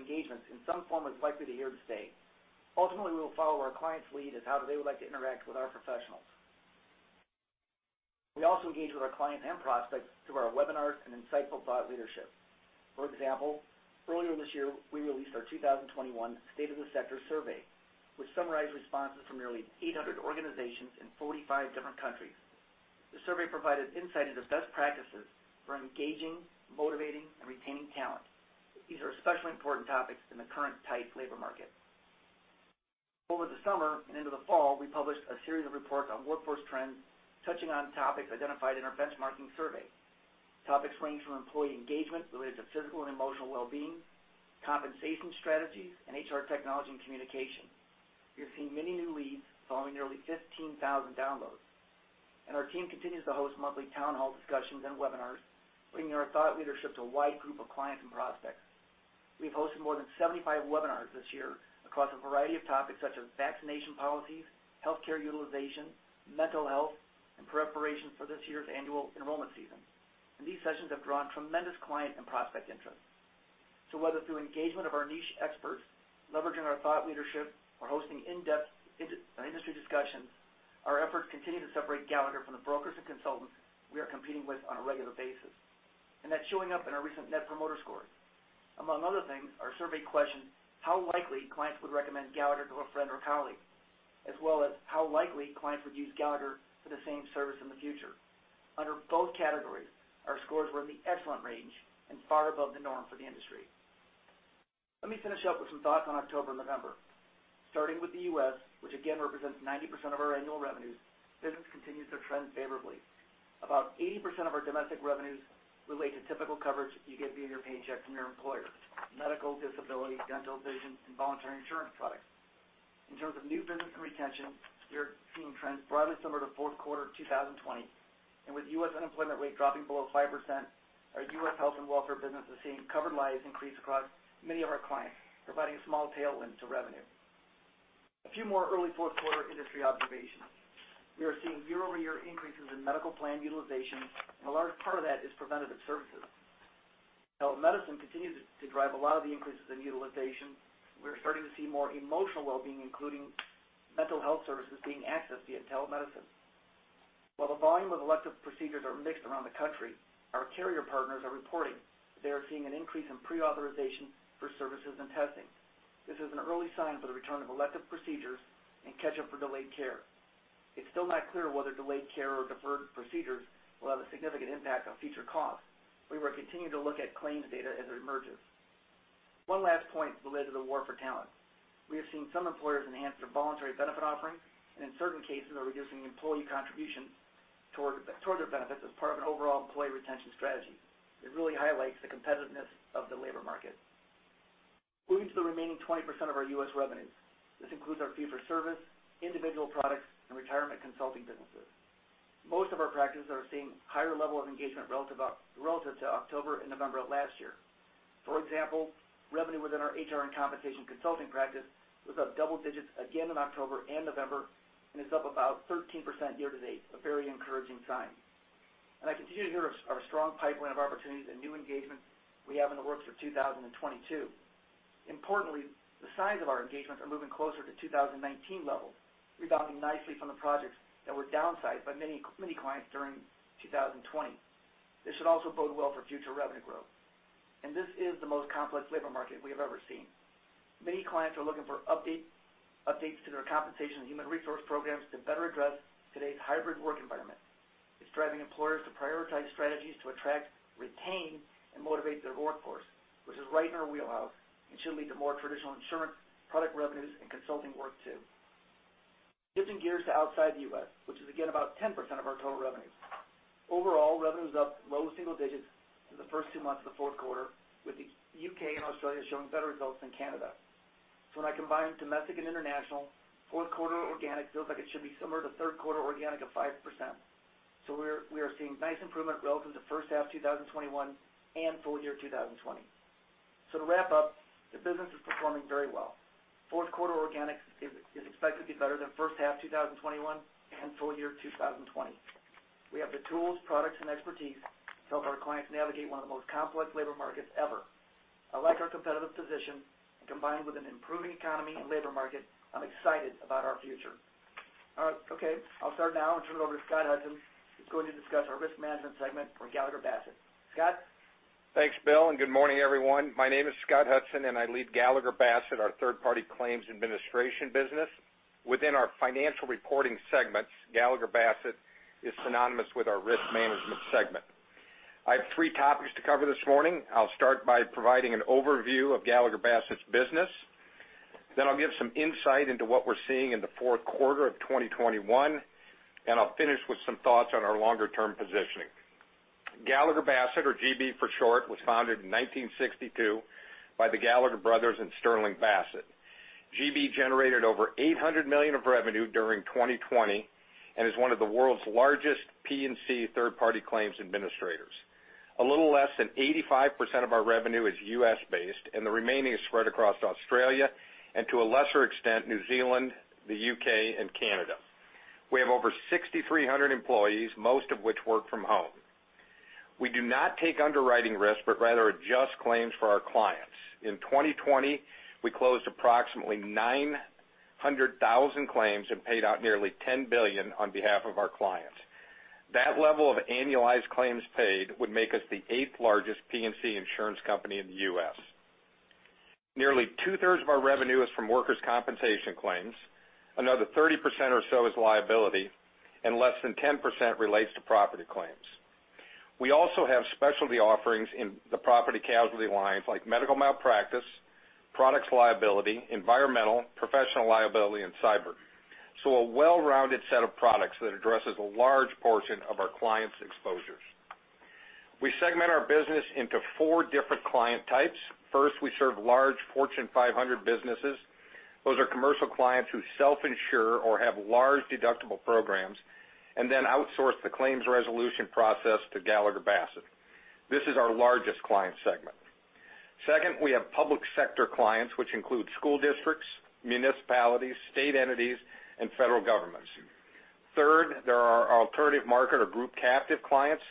engagements in some form are likely here to stay. Ultimately, we will follow our client's lead as to how they would like to interact with our professionals. We also engage with our clients and prospects through our webinars and insightful thought leadership. For example, earlier this year, we released our 2021 State of the Sector survey, which summarized responses from nearly 800 organizations in 45 different countries. The survey provided insight into best practices for engaging, motivating, and retaining talent. These are especially important topics in the current tight labor market. Over the summer and into the fall, we published a series of reports on workforce trends, touching on topics identified in our benchmarking survey. Topics range from employee engagement related to physical and emotional well-being, compensation strategies, and HR technology and communication. We are seeing many new leads following nearly 15,000 downloads, and our team continues to host monthly town hall discussions and webinars, bringing our thought leadership to a wide group of clients and prospects. We've hosted more than 75 webinars this year across a variety of topics such as vaccination policies, healthcare utilization, mental health, and preparation for this year's annual enrollment season. These sessions have drawn tremendous client and prospect interest. Whether through engagement of our niche experts, leveraging our thought leadership or hosting in-depth industry discussions, our efforts continue to separate Gallagher from the brokers and consultants we are competing with on a regular basis. That's showing up in our recent net promoter scores. Among other things, our survey questioned how likely clients would recommend Gallagher to a friend or colleague, as well as how likely clients would use Gallagher for the same service in the future. Under both categories, our scores were in the excellent range and far above the norm for the industry. Let me finish up with some thoughts on October and November. Starting with the US, which again represents 90% of our annual revenues, business continues to trend favorably. About 80% of our domestic revenues relate to typical coverage you get via your paycheck from your employer, medical, disability, dental, vision, and voluntary insurance products. In terms of new business and retention, we are seeing trends broadly similar to Q4 2020. With US unemployment rate dropping below 5%, our US health and welfare business is seeing covered lives increase across many of our clients, providing a small tailwind to revenue. A few more early Q4 industry observations. We are seeing year-over-year increases in medical plan utilization, and a large part of that is preventative services. Telemedicine continues to drive a lot of the increases in utilization. We're starting to see more emotional well-being, including mental health services being accessed via telemedicine. While the volume of elective procedures are mixed around the country, our carrier partners are reporting that they are seeing an increase in pre-authorization for services and testing. This is an early sign for the return of elective procedures and catch-up for delayed care. It's still not clear whether delayed care or deferred procedures will have a significant impact on future costs. We will continue to look at claims data as it emerges. One last point related to the war for talent. We have seen some employers enhance their voluntary benefit offering, and in certain cases, are reducing employee contributions toward their benefits as part of an overall employee retention strategy. It really highlights the competitiveness of the labor market. Moving to the remaining 20% of our US revenues. This includes our fee for service, individual products, and retirement consulting businesses. Most of our practices are seeing higher level of engagement relative to October and November of last year. For example, revenue within our HR and compensation consulting practice was up double digits again in October and November, and is up about 13% year-to-date, a very encouraging sign. I continue to hear of our strong pipeline of opportunities and new engagements we have in the works for 2022. Importantly, the size of our engagements are moving closer to 2019 levels, rebounding nicely from the projects that were downsized by many, many clients during 2020. This should also bode well for future revenue growth. This is the most complex labor market we have ever seen. Many clients are looking for updates to their compensation and human resource programs to better address today's hybrid work environment. It's driving employers to prioritize strategies to attract, retain, and motivate their workforce, which is right in our wheelhouse and should lead to more traditional insurance product revenues and consulting work too. Shifting gears to outside the US, which is again about 10% of our total revenues. Overall, revenue is up low single digits in the first two months of the Q4, with the UK and Australia showing better results than Canada. When I combine domestic and international, Q4 organic feels like it should be similar to Q3 organic of 5%. We are seeing nice improvement relative to H1 2021 and full year 2020. To wrap up, the business is performing very well. Fourth quarter organic is expected to be better than H1 2021 and full year 2020. We have the tools, products, and expertise to help our clients navigate one of the most complex labor markets ever. I like our competitive position, and combined with an improving economy and labor market, I'm excited about our future. All right. Okay, I'll stop now and turn it over to Scott Hudson, who's going to discuss our risk management segment for Gallagher Bassett. Scott? Thanks, Will, and good morning, everyone. My name is Scott Hudson, and I lead Gallagher Bassett, our third-party claims administration business. Within our financial reporting segments, Gallagher Bassett is synonymous with our risk management segment. I have three topics to cover this morning. I'll start by providing an overview of Gallagher Bassett's business. Then I'll give some insight into what we're seeing in the Q4 of 2021, and I'll finish with some thoughts on our longer-term positioning. Gallagher Bassett, or GB for short, was founded in 1962 by the Gallagher brothers and Sterling Bassett. GB generated over $800 million of revenue during 2020 and is one of the world's largest P&C third-party claims administrators. A little less than 85% of our revenue is US-based, and the remaining is spread across Australia and to a lesser extent, New Zealand, the UK, and Canada. We have over 6,300 employees, most of which work from home. We do not take underwriting risk, but rather adjust claims for our clients. In 2020, we closed approximately 900,000 claims and paid out nearly $10 billion on behalf of our clients. That level of annualized claims paid would make us the eighth-largest P&C insurance company in the US. Nearly two-thirds of our revenue is from workers' compensation claims. Another 30% or so is liability, and less than 10% relates to property claims. We also have specialty offerings in the property casualty lines like medical malpractice, products liability, environmental, professional liability, and cyber. A well-rounded set of products that addresses a large portion of our clients' exposures. We segment our business into four different client types. First, we serve large Fortune 500 businesses. Those are commercial clients who self-insure or have large deductible programs, and then outsource the claims resolution process to Gallagher Bassett. This is our largest client segment. Second, we have public sector clients, which include school districts, municipalities, state entities, and federal governments. Third, there are our alternative market or group captive clients.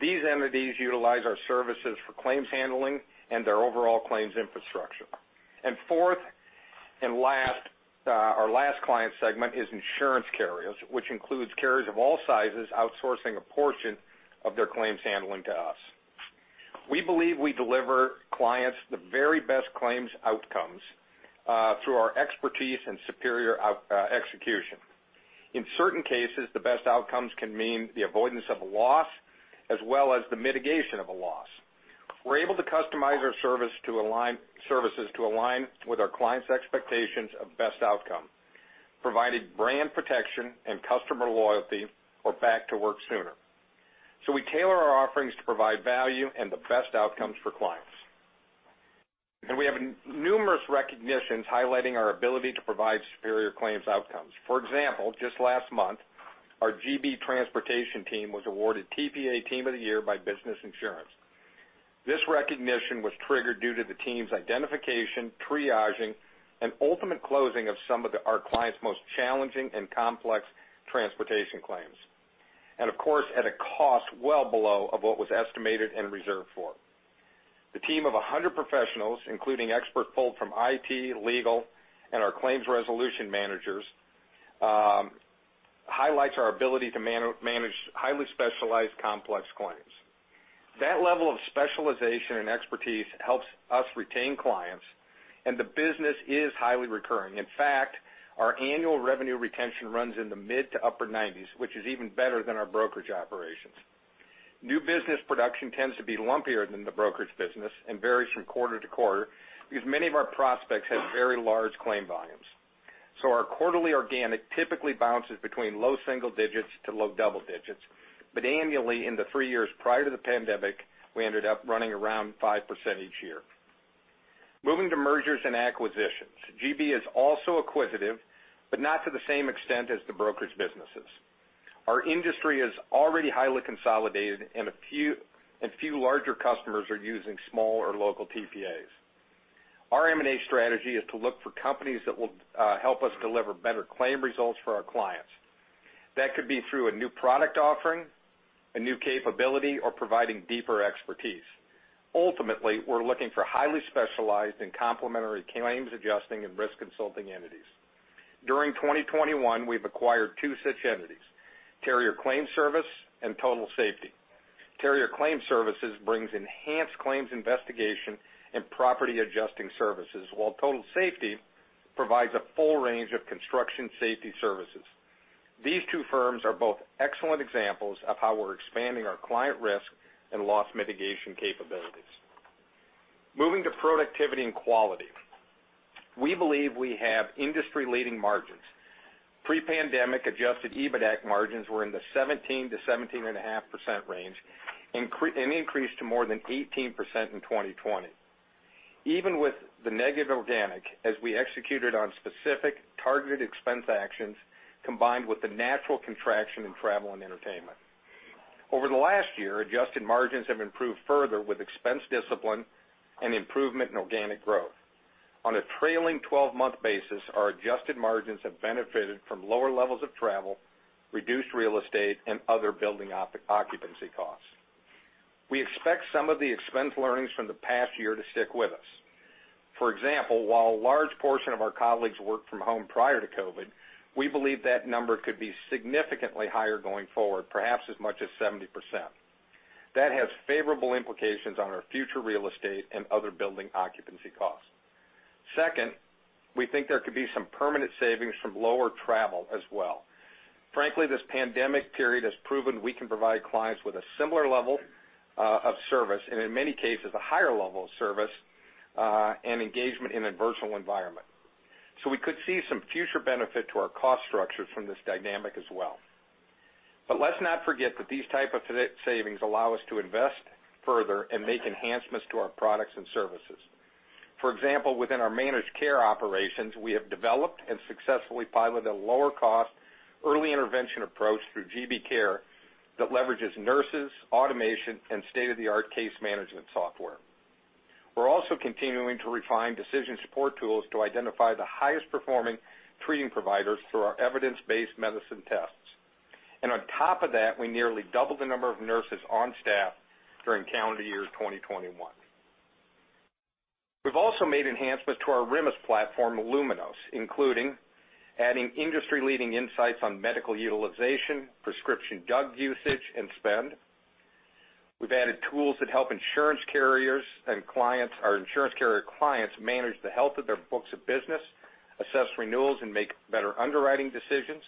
These entities utilize our services for claims handling and their overall claims infrastructure. Fourth and last, our last client segment is insurance carriers, which includes carriers of all sizes outsourcing a portion of their claims handling to us. We believe we deliver clients the very best claims outcomes through our expertise and superior execution. In certain cases, the best outcomes can mean the avoidance of a loss as well as the mitigation of a loss. We're able to customize our service to align with our clients' expectations of best outcome, provided brand protection and customer loyalty are back to work sooner. We tailor our offerings to provide value and the best outcomes for clients. We have numerous recognitions highlighting our ability to provide superior claims outcomes. For example, just last month, our GB Transportation team was awarded TPA Team of the Year by Business Insurance. This recognition was triggered due to the team's identification, triaging, and ultimate closing of some of our clients' most challenging and complex transportation claims. Of course, at a cost well below of what was estimated and reserved for. The team of 100 professionals, including expert folk from IT, legal, and our claims resolution managers, highlights our ability to manage highly specialized complex claims. That level of specialization and expertise helps us retain clients, and the business is highly recurring. In fact, our annual revenue retention runs in the mid- to upper 90s%, which is even better than our brokerage operations. New business production tends to be lumpier than the brokerage business and varies from quarter to quarter because many of our prospects have very large claim volumes. Our quarterly organic typically bounces between low single digits to low double digits. Annually, in the three years prior to the pandemic, we ended up running around 5% each year. Moving to mergers and acquisitions. GB is also acquisitive, but not to the same extent as the brokerage businesses. Our industry is already highly consolidated, and few larger customers are using small or local TPAs. Our M&A strategy is to look for companies that will help us deliver better claim results for our clients. That could be through a new product offering, a new capability, or providing deeper expertise. Ultimately, we're looking for highly specialized and complementary claims adjusting and risk consulting entities. During 2021, we've acquired two such entities, Terrier Claims Services and Total Safety. Terrier Claims Services brings enhanced claims investigation and property adjusting services, while Total Safety provides a full range of construction safety services. These two firms are both excellent examples of how we're expanding our client risk and loss mitigation capabilities. Moving to productivity and quality. We believe we have industry-leading margins. Pre-pandemic adjusted EBITDA margins were in the 17%-17.5% range, an increase to more than 18% in 2020. Even with the negative organic, as we executed on specific targeted expense actions combined with the natural contraction in travel and entertainment. Over the last year, adjusted margins have improved further with expense discipline and improvement in organic growth. On a trailing twelve-month basis, our adjusted margins have benefited from lower levels of travel, reduced real estate, and other building occupancy costs. We expect some of the expense learnings from the past year to stick with us. For example, while a large portion of our colleagues worked from home prior to COVID, we believe that number could be significantly higher going forward, perhaps as much as 70%. That has favorable implications on our future real estate and other building occupancy costs. Second, we think there could be some permanent savings from lower travel as well. Frankly, this pandemic period has proven we can provide clients with a similar level, of service, and in many cases, a higher level of service, and engagement in a virtual environment. We could see some future benefit to our cost structure from this dynamic as well. Let's not forget that these type of savings allow us to invest further and make enhancements to our products and services. For example, within our managed care operations, we have developed and successfully piloted a lower-cost early intervention approach through GBCARE that leverages nurses, automation, and state-of-the-art case management software. We're also continuing to refine decision support tools to identify the highest performing treating providers through our evidence-based medicine tests. On top of that, we nearly doubled the number of nurses on staff during calendar year 2021. We've also made enhancements to our RMIS platform, Luminos, including adding industry-leading insights on medical utilization, prescription drug usage, and spend. We've added tools that help insurance carriers and clients, our insurance carrier clients, manage the health of their books of business, assess renewals, and make better underwriting decisions.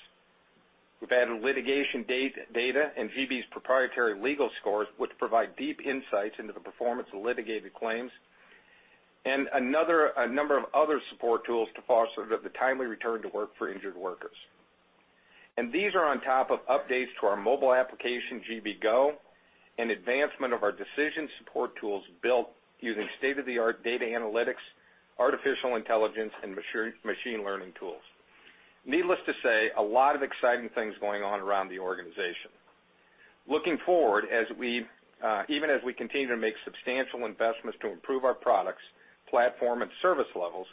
We've added litigation data and GB's proprietary legal scores, which provide deep insights into the performance of litigated claims, and a number of other support tools to foster the timely return to work for injured workers. These are on top of updates to our mobile application, GB Go, and advancement of our decision support tools built using state-of-the-art data analytics, artificial intelligence, and machine learning tools. Needless to say, a lot of exciting things going on around the organization. Looking forward, as we even as we continue to make substantial investments to improve our products, platform, and service levels,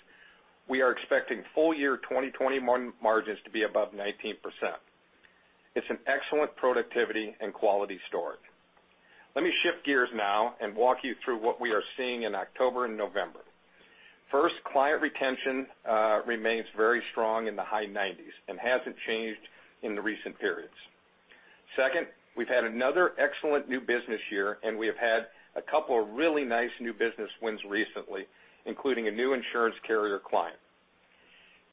we are expecting full year 2021 margins to be above 19%. It's an excellent productivity and quality story. Let me shift gears now and walk you through what we are seeing in October and November. First, client retention remains very strong in the high 90s and hasn't changed in the recent periods. Second, we've had another excellent new business year, and we have had a couple of really nice new business wins recently, including a new insurance carrier client.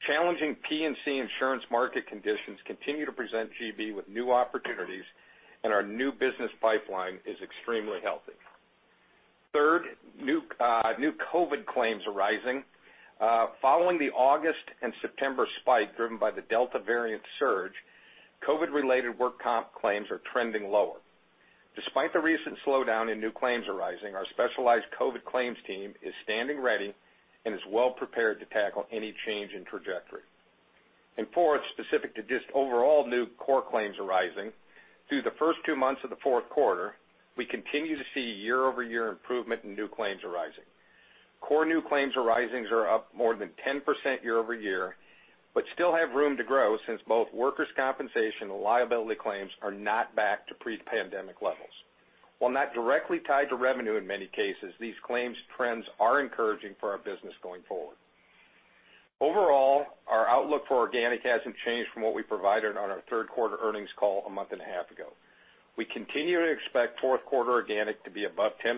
Challenging P&C insurance market conditions continue to present GB with new opportunities, and our new business pipeline is extremely healthy. Third, new COVID claims arising following the August and September spike driven by the Delta variant surge, COVID-related work comp claims are trending lower. Despite the recent slowdown in new claims arising, our specialized COVID claims team is standing ready and is well prepared to tackle any change in trajectory. Fourth, specific to just overall new core claims arising, through the first two months of the Q4, we continue to see year-over-year improvement in new claims arising. Core new claims arisings are up more than 10% year-over-year, but still have room to grow since both workers' compensation and liability claims are not back to pre-pandemic levels. While not directly tied to revenue in many cases, these claims trends are encouraging for our business going forward. Overall, our outlook for organic hasn't changed from what we provided on our Q3 earnings call a month and a half ago. We continue to expect Q4 organic to be above 10%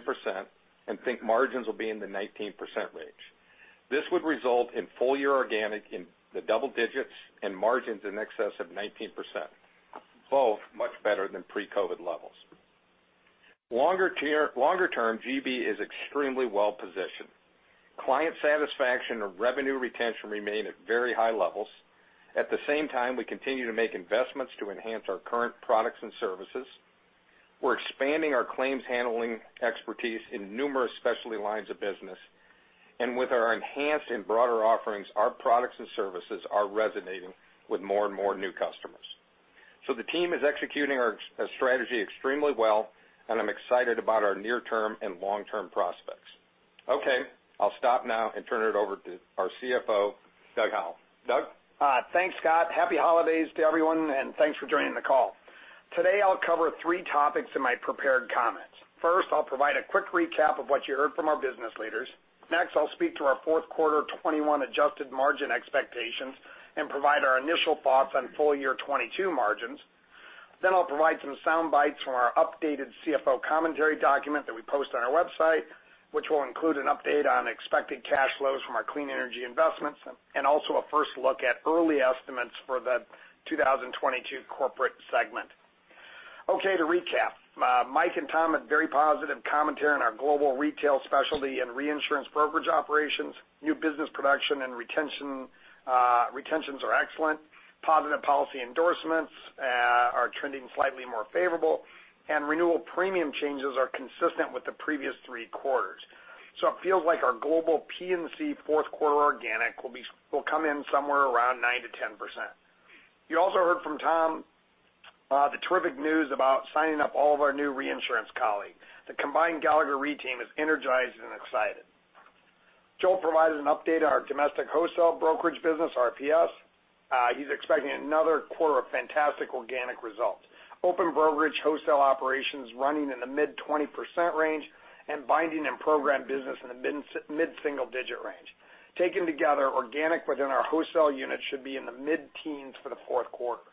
and think margins will be in the 19% range. This would result in full-year organic in the double digits and margins in excess of 19%, both much better than pre-COVID levels. Longer term, GB is extremely well-positioned. Client satisfaction and revenue retention remain at very high levels. At the same time, we continue to make investments to enhance our current products and services. We're expanding our claims handling expertise in numerous specialty lines of business. With our enhanced and broader offerings, our products and services are resonating with more and more new customers. The team is executing our strategy extremely well, and I'm excited about our near-term and long-term prospects. Okay, I'll stop now and turn it over to our CFO, Doug Howell. Doug? Thanks, Scott. Happy holidays to everyone, and thanks for joining the call. Today, I'll cover three topics in my prepared comments. First, I'll provide a quick recap of what you heard from our business leaders. Next, I'll speak to our Q4 2021 adjusted margin expectations and provide our initial thoughts on full year 2022 margins. Then I'll provide some sound bites from our updated CFO Commentary document that we post on our website, which will include an update on expected cash flows from our clean energy investments and also a first look at early estimates for the 2022 corporate segment. Okay, to recap. Mike and Tom had very positive commentary on our global retail specialty and reinsurance brokerage operations. New business production and retentions are excellent. Positive policy endorsements are trending slightly more favorable, and renewal premium changes are consistent with the previous three quarters. It feels like our global P&C Q4 organic will come in somewhere around 9%-10%. You also heard from Tom the terrific news about signing up all of our new reinsurance colleagues. The combined Gallagher Re team is energized and excited. Joel provided an update on our domestic wholesale brokerage business, RPS. He's expecting another quarter of fantastic organic results. Open brokerage wholesale operations running in the mid-20% range and binding and program business in the mid-single-digit range. Taken together, organic within our wholesale unit should be in the mid-teens for the Q4.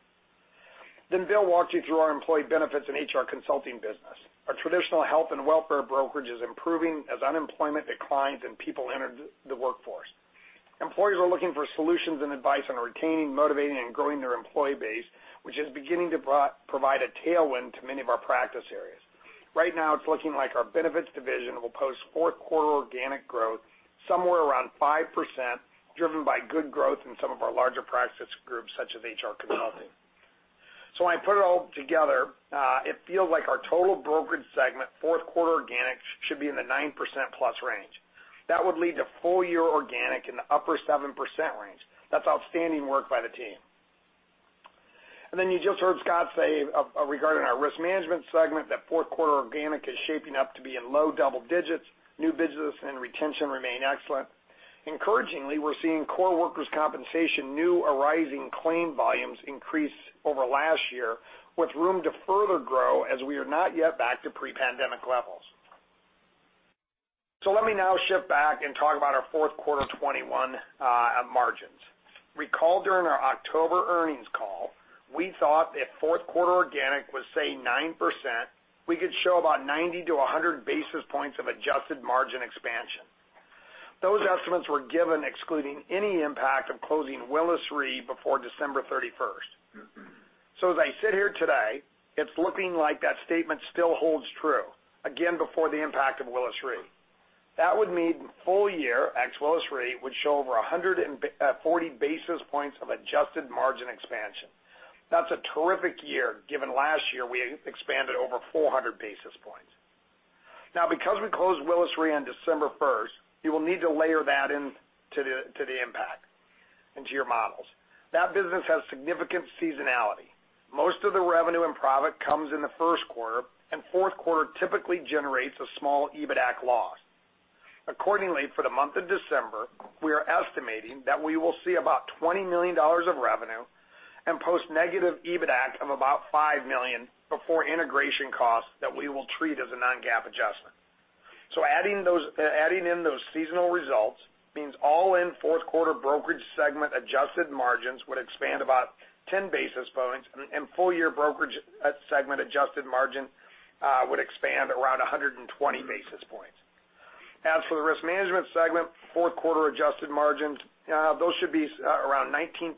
Will walked you through our employee benefits and HR consulting business. Our traditional health and welfare brokerage is improving as unemployment declines and people enter the workforce. Employees are looking for solutions and advice on retaining, motivating, and growing their employee base, which is beginning to provide a tailwind to many of our practice areas. Right now, it's looking like our benefits division will post Q4 organic growth somewhere around 5%, driven by good growth in some of our larger practice groups, such as HR consulting. When I put it all together, it feels like our total brokerage segment Q4 organic should be in the 9%+ range. That would lead to full-year organic in the upper 7% range. That's outstanding work by the team. You just heard Scott say regarding our risk management segment that Q4 organic is shaping up to be in low double digits. New business and retention remain excellent. Encouragingly, we're seeing core workers' compensation new arising claim volumes increase over last year, with room to further grow as we are not yet back to pre-pandemic levels. Let me now shift back and talk about our Q4 2021 margins. Recall during our October earnings call, we thought if Q4 organic was, say, 9%, we could show about 90-100 basis points of adjusted margin expansion. Those estimates were given excluding any impact of closing Willis Re before December 31. As I sit here today, it's looking like that statement still holds true, again, before the impact of Willis Re. That would mean full year at Willis Re would show over 140 basis points of adjusted margin expansion. That's a terrific year, given last year we expanded over 400 basis points. Now, because we closed Willis Re on December 1, you will need to layer that into the impact into your models. That business has significant seasonality. Most of the revenue and profit comes in the Q1, and Q4 typically generates a small EBITAC loss. Accordingly, for the month of December, we are estimating that we will see about $20 million of revenue and post negative EBITAC of about $5 million before integration costs that we will treat as a non-GAAP adjustment. Adding those seasonal results means all in Q4 brokerage segment adjusted margins would expand about 10 basis points, and full-year brokerage segment adjusted margin would expand around 120 basis points. As for the risk management segment, Q4 adjusted margins, those should be around 19%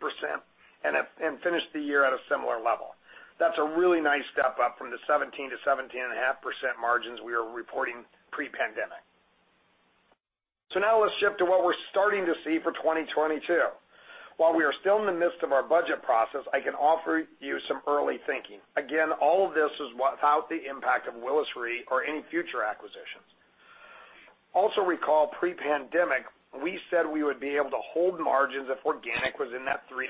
and finish the year at a similar level. That's a really nice step up from the 17-17.5% margins we are reporting pre-pandemic. Now let's shift to what we're starting to see for 2022. While we are still in the midst of our budget process, I can offer you some early thinking. Again, all of this is without the impact of Willis Re or any future acquisitions. Also recall pre-pandemic, we said we would be able to hold margins if organic was in that 3%-4%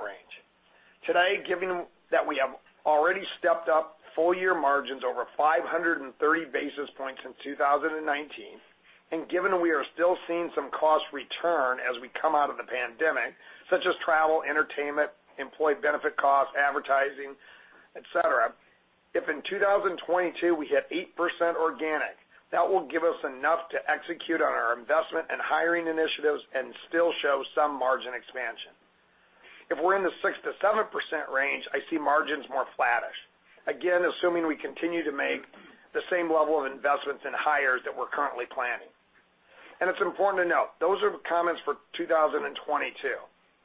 range. Today, given that we have already stepped up full-year margins over 530 basis points in 2019, and given we are still seeing some cost return as we come out of the pandemic, such as travel, entertainment, employee benefit costs, advertising, et cetera, if in 2022 we hit 8% organic, that will give us enough to execute on our investment and hiring initiatives and still show some margin expansion. If we're in the 6%-7% range, I see margins more flattish, again, assuming we continue to make the same level of investments in hires that we're currently planning. It's important to note, those are the comments for 2022.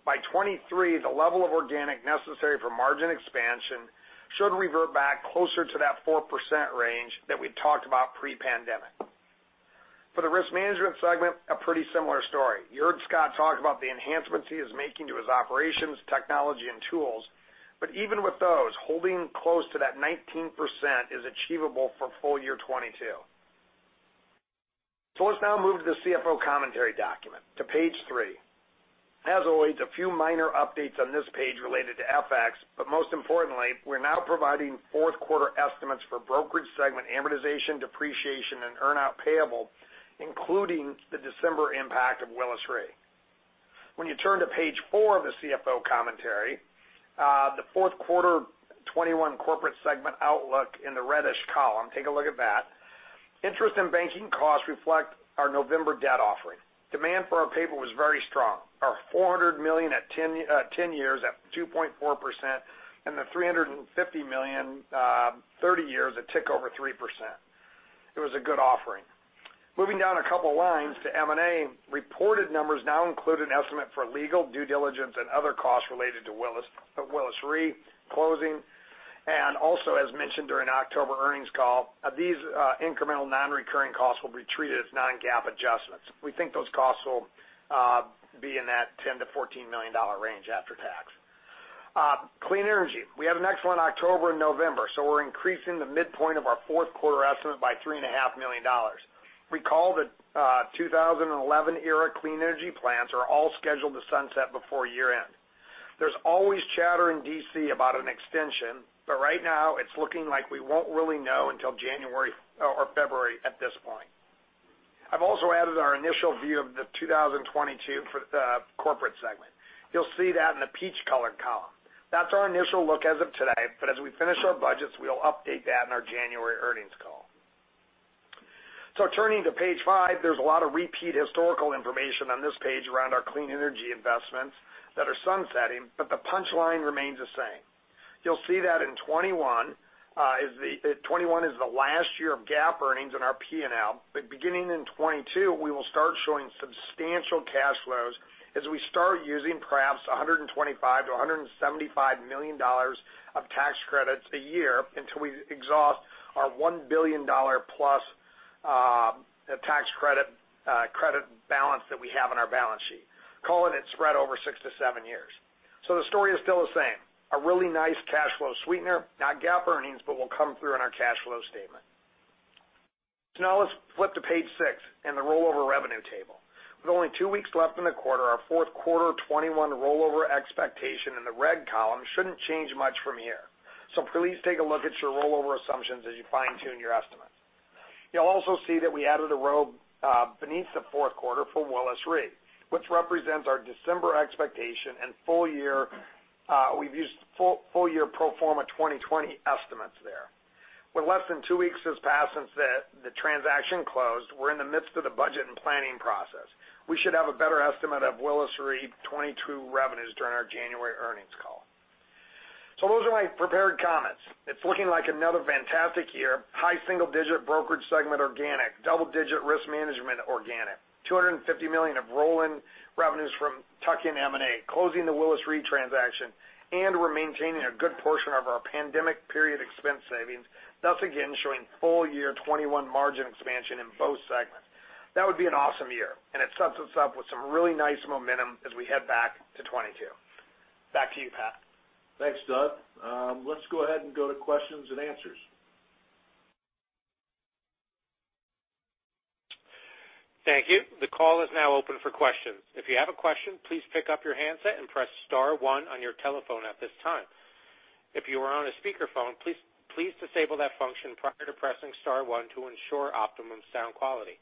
By 2023, the level of organic necessary for margin expansion should revert back closer to that 4% range that we talked about pre-pandemic. For the risk management segment, a pretty similar story. You heard Scott talk about the enhancements he is making to his operations, technology, and tools. Even with those, holding close to that 19% is achievable for full year 2022. Let's now move to the CFO Commentary document to page 3. As always, a few minor updates on this page related to FX, but most importantly, we're now providing Q4 estimates for brokerage segment amortization, depreciation, and earn-out payable, including the December impact of Willis Re. When you turn to page 4 of the CFO Commentary, the Q4 2021 corporate segment outlook in the red column, take a look at that. Interest and banking costs reflect our November debt offering. Demand for our paper was very strong. Our $400 million at 10 years at 2.4%, and the $350 million, 30 years, a tick over 3%. It was a good offering. Moving down a couple lines to M&A, reported numbers now include an estimate for legal due diligence and other costs related to Willis Re closing. Also, as mentioned during October earnings call, these incremental non-recurring costs will be treated as non-GAAP adjustments. We think those costs will be in that $10 million-$14 million range after tax. Clean energy. We have an excellent October and November, so we're increasing the midpoint of our Q4 estimate by $3.5 million. Recall the 2011 era clean energy plants are all scheduled to sunset before year-end. There's always chatter in D.C. about an extension, but right now it's looking like we won't really know until January or February at this point. I've also added our initial view of the 2022 for the corporate segment. You'll see that in the peach colored column. That's our initial look as of today. As we finish our budgets, we'll update that in our January earnings call. Turning to page five, there's a lot of repeat historical information on this page around our clean energy investments that are sunsetting, but the punchline remains the same. You'll see that 2021 is the last year of GAAP earnings in our P&L. Beginning in 2022, we will start showing substantial cash flows as we start using perhaps $125 million-$175 million of tax credits a year until we exhaust our $1 billion plus tax credit credit balance that we have on our balance sheet, calling it spread oversix to seven years. The story is still the same, a really nice cash flow sweetener, not GAAP earnings, but will come through in our cash flow statement. Now let's flip to page 6 and the rollover revenue table. With only two weeks left in the quarter, our Q4 2021 rollover expectation in the red column shouldn't change much from here. Please take a look at your rollover assumptions as you fine-tune your estimates. You'll also see that we added a row beneath the Q4 for Willis Re, which represents our December expectation and full year. We've used full year pro forma 2020 estimates there. With less than two weeks has passed since the transaction closed, we're in the midst of the budget and planning process. We should have a better estimate of Willis Re 2022 revenues during our January earnings call. Those are my prepared comments. It's looking like another fantastic year. High single-digit brokerage segment organic, double-digit risk management organic, $250 million of rolling revenues from tuck-in M&A, closing the Willis Re transaction, and we're maintaining a good portion of our pandemic period expense savings, thus again showing full year 2021 margin expansion in both segments. That would be an awesome year, and it sets us up with some really nice momentum as we head back to 2022. Back to you, Pat. Thanks, Doug. Let's go ahead and go to questions and answers. Thank you. The call is now open for questions. If you have a question, please pick up your handset and press star one on your telephone at this time. If you are on a speakerphone, please disable that function prior to pressing star one to ensure optimum sound quality.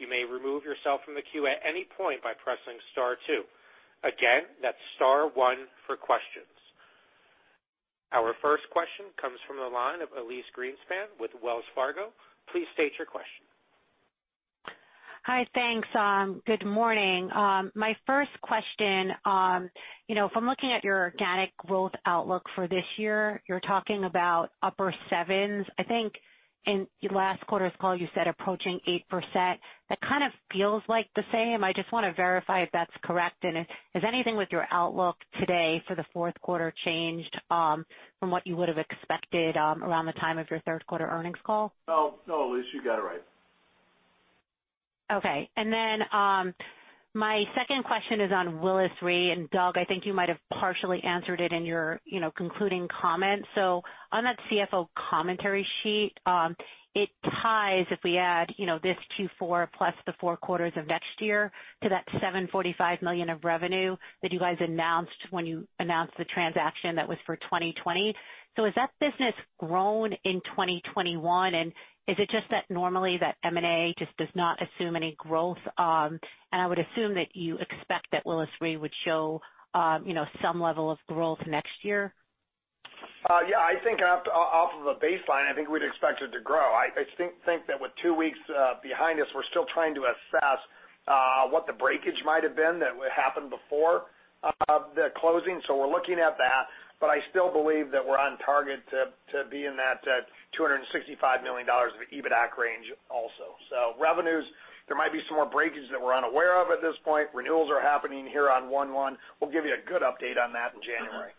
You may remove yourself from the queue at any point by pressing star two. Again, that's star one for questions. Our first question comes from the line of Elyse Greenspan with Wells Fargo. Please state your question. Hi. Thanks, good morning. My first question, you know, if I'm looking at your organic growth outlook for this year, you're talking about upper sevens. I think in last quarter's call you said approaching 8%. That kind of feels like the same. I just wanna verify if that's correct. If has anything with your outlook today for the Q4 changed, from what you would have expected, around the time of your Q3 earnings call? No, no, Elyse, you got it right. Okay. My second question is on Willis Re. Doug, I think you might have partially answered it in your, you know, concluding comments. On that CFO Commentary sheet, it ties if we add, you know, this Q4 plus the four quarters of next year to that $745 million of revenue that you guys announced when you announced the transaction that was for 2020. Has that business grown in 2021? Is it just that normally that M&A just does not assume any growth? I would assume that you expect that Willis Re would show, you know, some level of growth next year. Yeah, I think off of a baseline, I think we'd expect it to grow. I think that with two weeks behind us, we're still trying to assess what the breakage might have been that would happen before the closing. We're looking at that, but I still believe that we're on target to be in that $265 million of EBITDA range also. Revenues, there might be some more breakages that we're unaware of at this point. Renewals are happening here on 1/1. We'll give you a good update on that in January.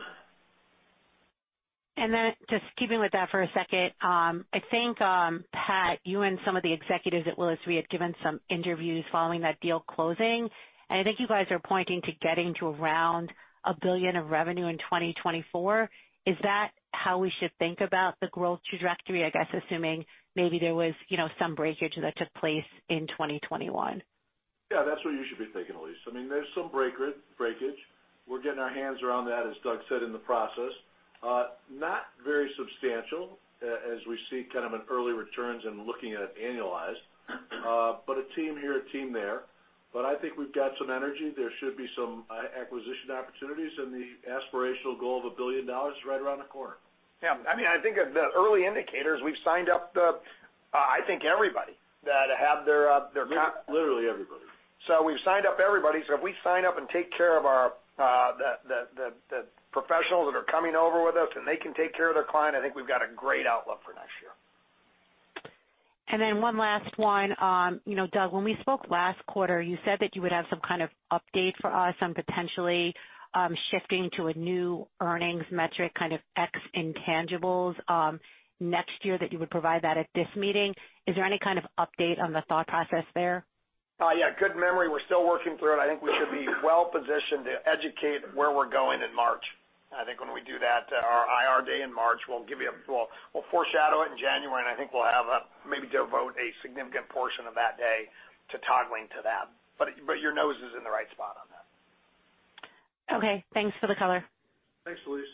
Just keeping with that for a second. I think, Pat, you and some of the executives at Willis Re had given some interviews following that deal closing. I think you guys are pointing to getting to around $1 billion of revenue in 2024. Is that how we should think about the growth trajectory? I guess, assuming maybe there was, you know, some breakage that took place in 2021. Yeah, that's what you should be thinking, Elyse. I mean, there's some breakage. We're getting our hands around that, as Doug said, in the process. Not very substantial as we see kind of in early returns and looking at it annualized, but a team here, a team there. I think we've got some energy. There should be some acquisition opportunities, and the aspirational goal of $1 billion is right around the corner. Yeah. I mean, I think at the early indicators, we've signed up the, I think everybody that have their con- Literally everybody. We've signed up everybody. If we sign up and take care of our the professionals that are coming over with us, and they can take care of their client, I think we've got a great outlook for next year. One last one. You know, Doug, when we spoke last quarter, you said that you would have some kind of update for us on potentially shifting to a new earnings metric, kind of ex intangibles, next year that you would provide that at this meeting. Is there any kind of update on the thought process there? Yeah, good memory. We're still working through it. I think we should be well-positioned to educate where we're going in March. I think when we do that, our IR Day in March, we'll foreshadow it in January, and I think we'll have a maybe devote a significant portion of that day to toggling to that. Your nose is in the right spot on that. Okay. Thanks for the color. Thanks, Elyse.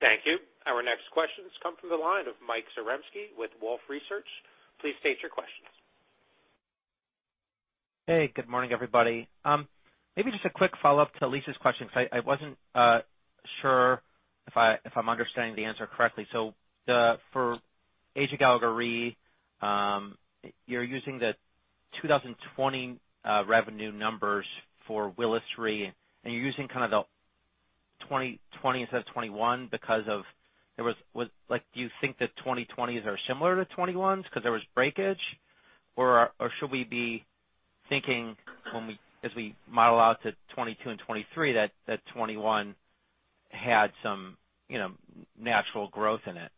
Thank you. Our next questions come from the line of Mike Zaremski with Wolfe Research. Please state your questions. Hey, good morning, everybody. Maybe just a quick follow-up to Elyse's question 'cause I wasn't sure if I'm understanding the answer correctly. For AJG Gallagher Re, you're using the 2020 revenue numbers for Willis Re, and you're using kind of the 2020 instead of 2021 because do you think that 2020s are similar to 2021s 'cause there was breakage? Or should we be thinking as we model out to 2022 and 2023 that 2021 had some, you know, natural growth in it?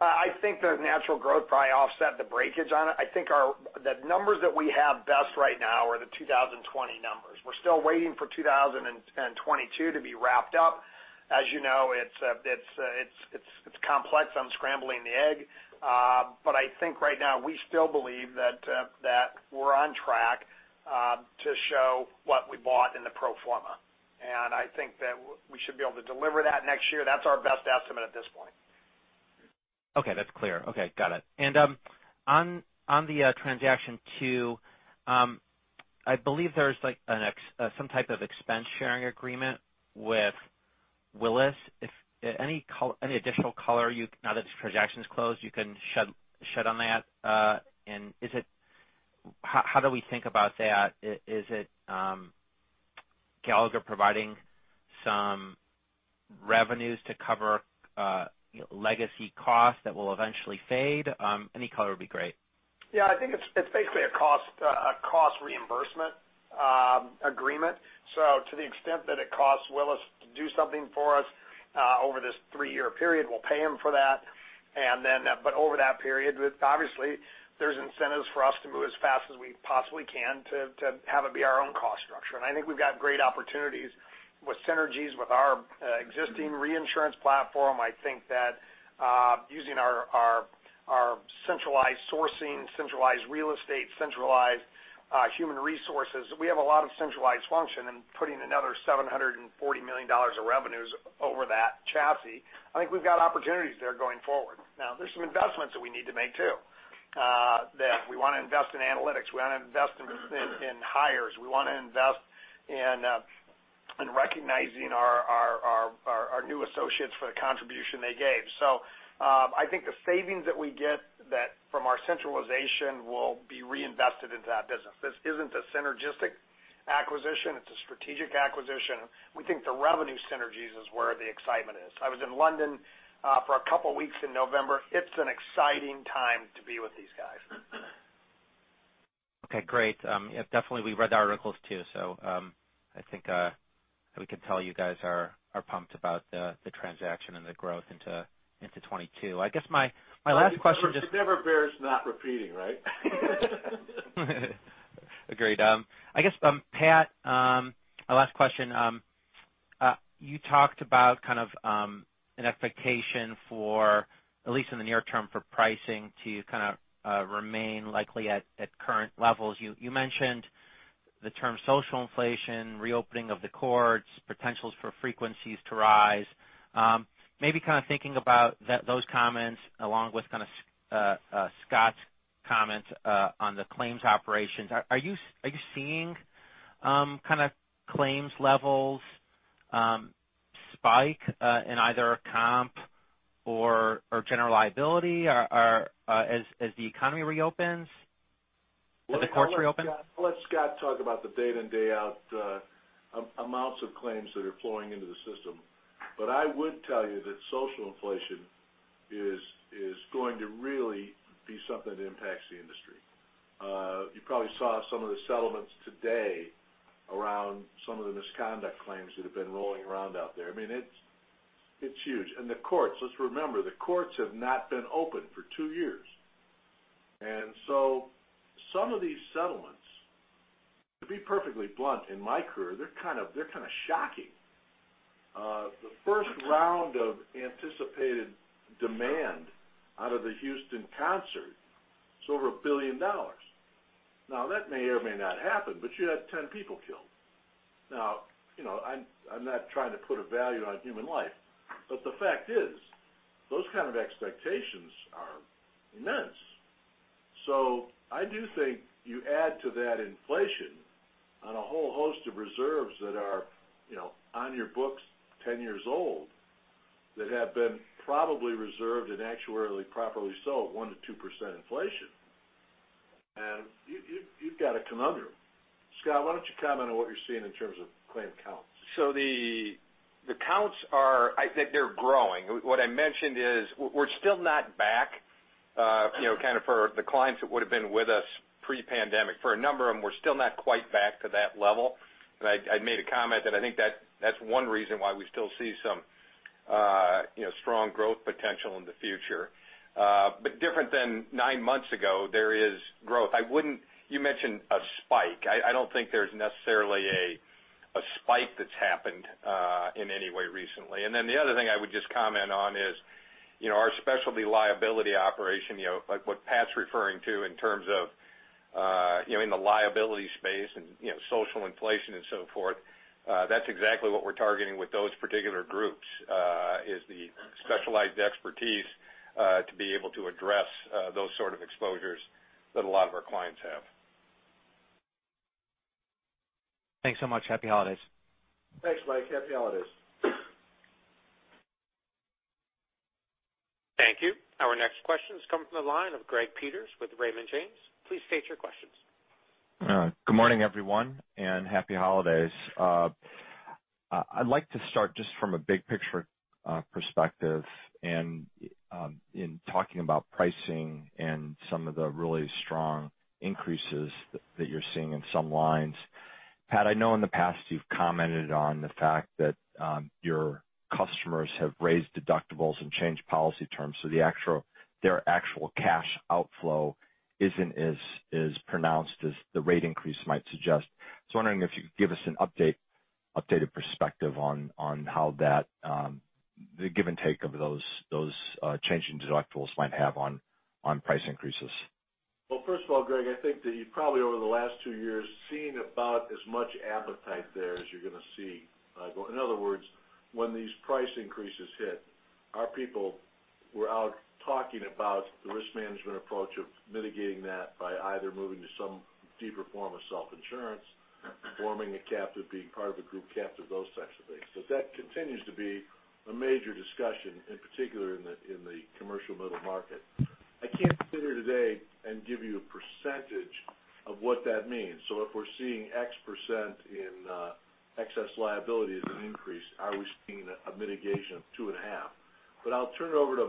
I think the natural growth probably offset the breakage on it. I think the numbers that we have best right now are the 2020 numbers. We're still waiting for 2022 to be wrapped up. As you know, it's complex. I'm scrambling the egg. But I think right now we still believe that we're on track to show what we bought in the pro forma. I think that we should be able to deliver that next year. That's our best estimate at this point. Okay, that's clear. Okay, got it. On the transaction to, I believe there's like some type of expense-sharing agreement with Willis. If any additional color now that the transaction's closed, you can shed on that. How do we think about that? Is it Gallagher providing some revenues to cover legacy costs that will eventually fade? Any color would be great. Yeah, I think it's basically a cost reimbursement agreement. So to the extent that it costs Willis to do something for us over this three-year period, we'll pay him for that. Over that period, with obviously there's incentives for us to move as fast as we possibly can to have it be our own cost structure. I think we've got great opportunities with synergies with our existing reinsurance platform. I think that using our centralized sourcing, centralized real estate, centralized human resources, we have a lot of centralized function in putting another $740 million of revenues over that chassis. I think we've got opportunities there going forward. Now, there's some investments that we need to make too that we wanna invest in analytics. We wanna invest in hires. We wanna invest in recognizing our new associates for the contribution they gave. I think the savings that we get from that centralization will be reinvested into that business. This isn't a synergistic acquisition. It's a strategic acquisition. We think the revenue synergies is where the excitement is. I was in London for a couple weeks in November. It's an exciting time to be with these guys. Okay, great. Yeah, definitely we read the articles too. I think we can tell you guys are pumped about the transaction and the growth into 2022. I guess my last question just- It never bears not repeating, right? Agreed. I guess, Pat, a last question. You talked about kind of an expectation for at least in the near term for pricing to kind of remain likely at current levels. You mentioned the term social inflation, reopening of the courts, potentials for frequencies to rise. Maybe kind of thinking about those comments along with kind of Scott's comments on the claims operations. Are you seeing kind of claims levels spike in either comp or general liability or as the economy reopens or the courts reopen? I'll let Scott talk about the day in, day out amounts of claims that are flowing into the system. I would tell you that social inflation is going to really be something that impacts the industry. You probably saw some of the settlements today around some of the misconduct claims that have been rolling around out there. I mean, it's huge. The courts, let's remember, the courts have not been open for two years. Some of these settlements, to be perfectly blunt, in my career, they're kind of shocking. The first round of anticipated demand out of the Houston concert is over $1 billion. Now, that may or may not happen, but you had 10 people killed. Now, you know, I'm not trying to put a value on human life, but the fact is, those kind of expectations are immense. I do think you add to that inflation on a whole host of reserves that are, you know, on your books 10 years old, that have been probably reserved and actuarially properly so at 1%-2% inflation. You've got a conundrum. Scott, why don't you comment on what you're seeing in terms of claim counts? The counts are. I think they're growing. What I mentioned is we're still not back kind of for the clients that would've been with us pre-pandemic. For a number of them, we're still not quite back to that level. I made a comment that I think that's one reason why we still see some strong growth potential in the future. Different than nine months ago, there is growth. I wouldn't. You mentioned a spike. I don't think there's necessarily a spike that's happened in any way recently. Then the other thing I would just comment on is, you know, our specialty liability operation, you know, like what Pat's referring to in terms of, you know, in the liability space and, you know, social inflation and so forth, that's exactly what we're targeting with those particular groups is the specialized expertise to be able to address those sort of exposures that a lot of our clients have. Thanks so much. Happy holidays. Thanks, Mike. Happy holidays. Thank you. Our next question is coming from the line of Greg Peters with Raymond James. Please state your questions. Good morning, everyone, and happy holidays. I'd like to start just from a big picture perspective and in talking about pricing and some of the really strong increases that you're seeing in some lines. Pat, I know in the past you've commented on the fact that your customers have raised deductibles and changed policy terms, so their actual cash outflow isn't as pronounced as the rate increase might suggest. I was wondering if you could give us an updated perspective on how the give and take of those changes in deductibles might have on price increases. Well, first of all, Greg, I think that you've probably over the last two years seen about as much appetite there as you're gonna see. In other words, when these price increases hit, our people were out talking about the risk management approach of mitigating that by either moving to some deeper form of self-insurance, forming a captive, being part of a group captive, those types of things. That continues to be a major discussion, in particular in the commercial middle market. I can't sit here today and give you a percentage of what that means. If we're seeing X% in excess liability as an increase, are we seeing a mitigation of two and a half? I'll turn it over to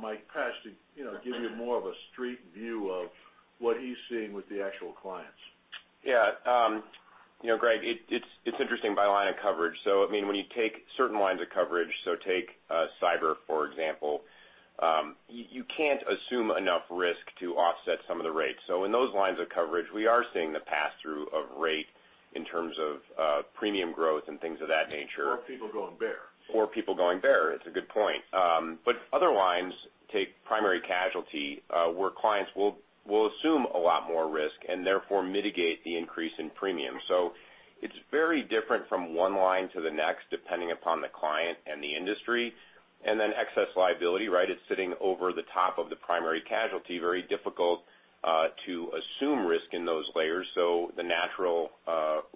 Mike Pesch to, you know, give you more of a street view of what he's seeing with the actual clients. Yeah. You know, Greg, it's interesting by line of coverage. I mean, when you take certain lines of coverage, take cyber, for example, you can't assume enough risk to offset some of the rates. In those lines of coverage, we are seeing the pass-through of rate in terms of premium growth and things of that nature. People going bare. People going bare. It's a good point. Other lines. Take primary casualty, where clients will assume a lot more risk and therefore mitigate the increase in premium. It's very different from one line to the next, depending upon the client and the industry. Excess liability, right? It's sitting over the top of the primary casualty, very difficult to assume risk in those layers. The natural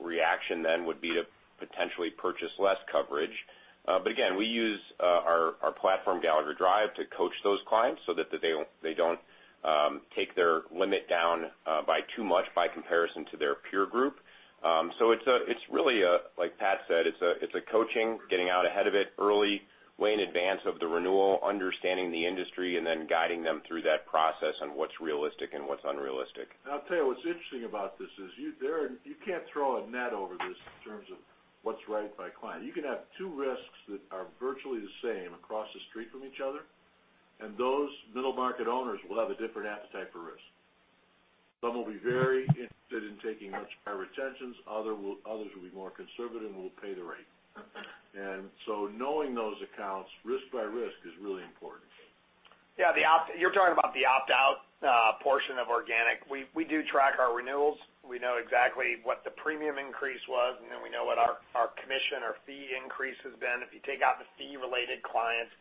reaction then would be to potentially purchase less coverage. Again, we use our platform Gallagher Drive to coach those clients so that they don't take their limit down by too much by comparison to their peer group. It's really a, like Pat said, it's a coaching, getting out ahead of it early, way in advance of the renewal, understanding the industry, and then guiding them through that process on what's realistic and what's unrealistic. I'll tell you what's interesting about this is you can't throw a net over this in terms of what's right by client. You can have two risks that are virtually the same across the street from each other, and those middle market owners will have a different appetite for risk. Some will be very interested in taking much higher retentions, others will be more conservative and will pay the rate. Knowing those accounts risk by risk is really important. You're talking about the opt-out portion of organic. We do track our renewals. We know exactly what the premium increase was, and then we know what our commission or fee increase has been. If you take out the fee-related clients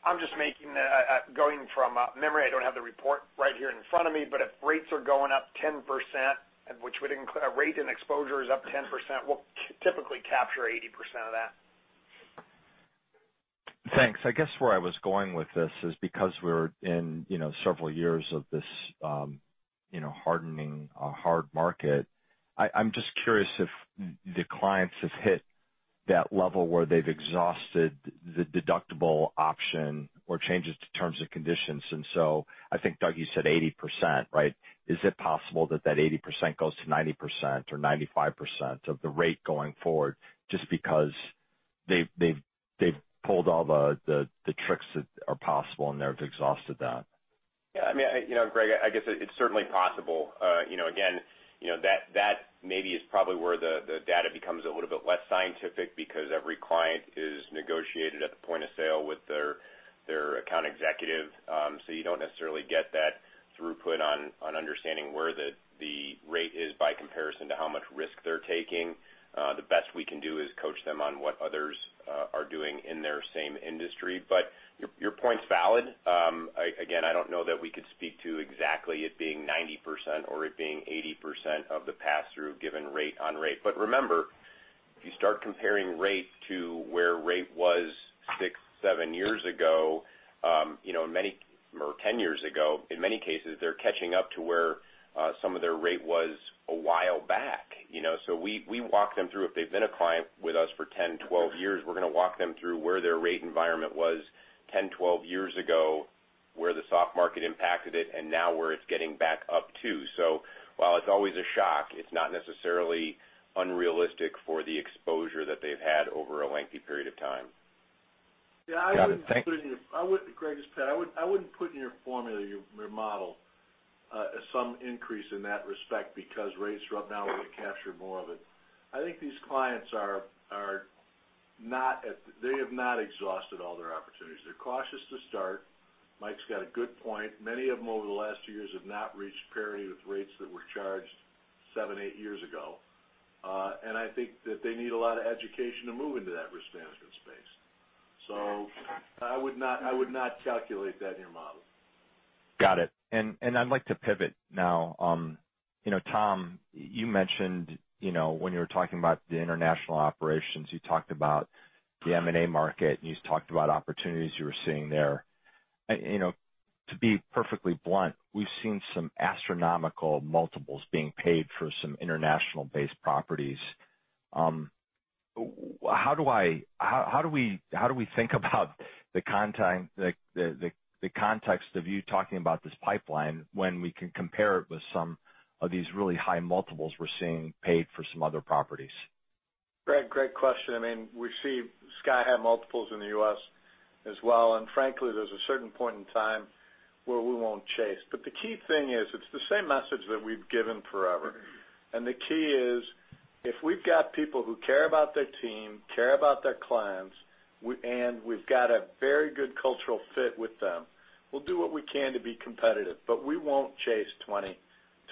I'm just going from memory. I don't have the report right here in front of me, but if rates are going up 10%, which would include rate and exposure is up 10%, we'll typically capture 80% of that. Thanks. I guess where I was going with this is because we're in, you know, several years of this, you know, hardening or hard market. I'm just curious if the clients have hit that level where they've exhausted the deductible option or changes to terms and conditions. I think Doug, you said 80%, right? Is it possible that that 80% goes to 90% or 95% of the rate going forward just because they've pulled all the tricks that are possible and they've exhausted that? Yeah. I mean, you know, Greg, I guess it's certainly possible. You know, again, that maybe is probably where the data becomes a little bit less scientific because every client is negotiated at the point of sale with their account executive. So you don't necessarily get that throughput on understanding where the rate is by comparison to how much risk they're taking. The best we can do is coach them on what others are doing in their same industry. Your point's valid. Again, I don't know that we could speak to exactly it being 90% or it being 80% of the pass-through given rate on rate. Remember, if you start comparing rate to where rate was six, seven years ago, or 10 years ago, in many cases, they're catching up to where some of their rate was a while back, you know? We walk them through if they've been a client with us for 10, 12 years. We're gonna walk them through where their rate environment was 10, 12 years ago, where the soft market impacted it, and now where it's getting back up to. While it's always a shock, it's not necessarily unrealistic for the exposure that they've had over a lengthy period of time. Got it. Thank you. Greg, it's Pat. I wouldn't put in your formula, your model, some increase in that respect because rates are up now, we're gonna capture more of it. I think these clients have not exhausted all their opportunities. They're cautious to start. Mike's got a good point. Many of them over the last two years have not reached parity with rates that were charged seven, eight years ago. I think that they need a lot of education to move into that risk management space. I would not calculate that in your model. Got it. I'd like to pivot now. You know, Tom, you mentioned, you know, when you were talking about the international operations, you talked about the M&A market, and you talked about opportunities you were seeing there. You know, to be perfectly blunt, we've seen some astronomical multiples being paid for some international-based properties. How do we think about the context of you talking about this pipeline when we can compare it with some of these really high multiples we're seeing paid for some other properties? Greg, great question. I mean, we see sky-high multiples in the US as well. Frankly, there's a certain point in time where we won't chase. The key thing is it's the same message that we've given forever. The key is, if we've got people who care about their team, care about their clients, and we've got a very good cultural fit with them, we'll do what we can to be competitive, but we won't chase 20x,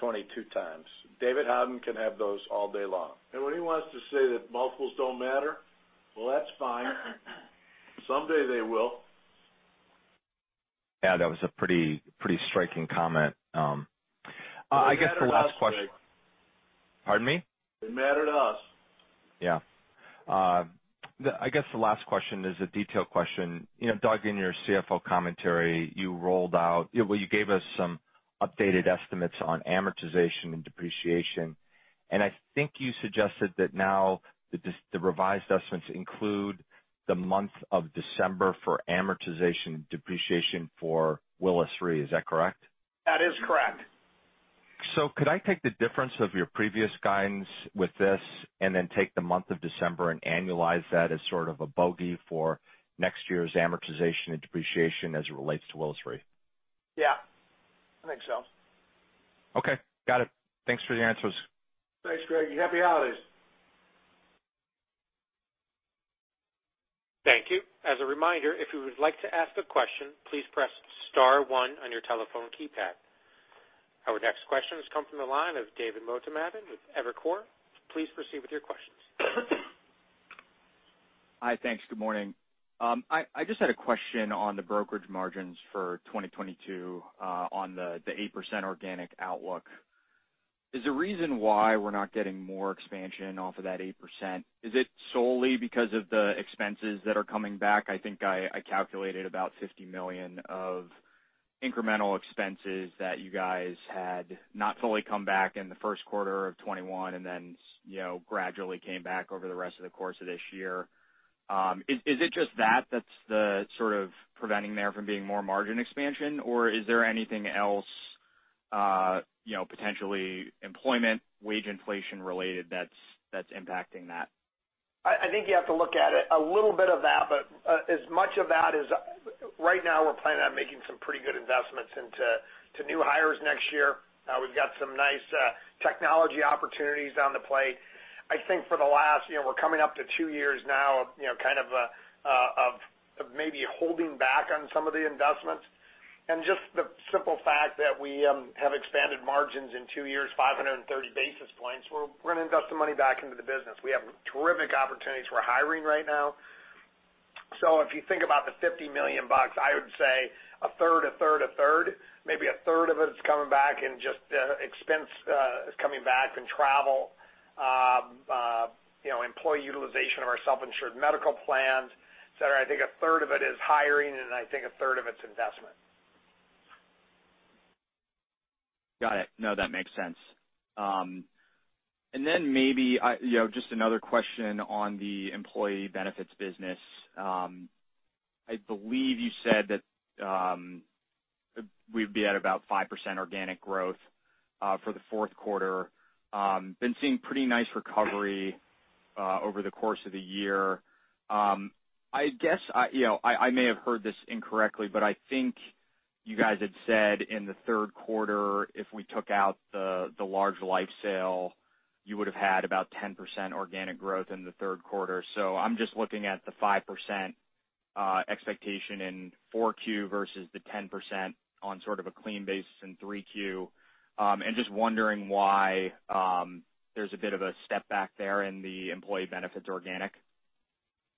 22x. David Howden can have those all day long. When he wants to say that multiples don't matter, well, that's fine. Someday they will. Yeah, that was a pretty striking comment. I guess the last question. They matter to us, Greg. Pardon me? They matter to us. Yeah, I guess the last question is a detailed question. You know, Doug, in your CFO Commentary, you rolled out. Well, you gave us some updated estimates on amortization and depreciation. I think you suggested that now the revised estimates include the month of December for amortization and depreciation for Willis Re. Is that correct? That is correct. Could I take the difference of your previous guidance with this and then take the month of December and annualize that as sort of a bogey for next year's amortization and depreciation as it relates to Willis Re? Yeah, I think so. Okay, got it. Thanks for the answers. Thanks, Greg. Happy holidays. Thank you. As a reminder, if you would like to ask a question, please press star one on your telephone keypad. Our next question has come from the line of David Motemaden with Evercore. Please proceed with your questions. Hi. Thanks. Good morning. I just had a question on the brokerage margins for 2022, on the 8% organic outlook. Is there reason why we're not getting more expansion off of that 8%? Is it solely because of the expenses that are coming back? I think I calculated about $50 million of incremental expenses that you guys had not fully come back in the Q1 of 2021 and then, you know, gradually came back over the rest of the course of this year. Is it just that that's the sort of preventing there from being more margin expansion, or is there anything else, you know, potentially employment, wage inflation-related that's impacting that? I think you have to look at it a little bit of that, but as much of that is right now we're planning on making some pretty good investments into new hires next year. We've got some nice technology opportunities on the plate. I think for the last, you know, we're coming up to two years now of, you know, kind of of maybe holding back on some of the investments. Just the simple fact that we have expanded margins in two years, 530 basis points, we're gonna invest the money back into the business. We have terrific opportunities. We're hiring right now. If you think about the $50 million, I would say a third. Maybe a third of it is coming back in just expense coming back in travel, you know, employee utilization of our self-insured medical plans, et cetera. I think a third of it is hiring, and I think a third of it's investment. Got it. No, that makes sense. Then maybe you know, just another question on the employee benefits business. I believe you said that we'd be at about 5% organic growth for the Q4. We've been seeing pretty nice recovery over the course of the year. I guess you know, I may have heard this incorrectly, but I think you guys had said in the Q3, if we took out the large life sale, you would've had about 10% organic growth in the Q3. I'm just looking at the 5% expectation in 4Q versus the 10% on sort of a clean basis in 3Q. I'm just wondering why there's a bit of a step back there in the employee benefits organic.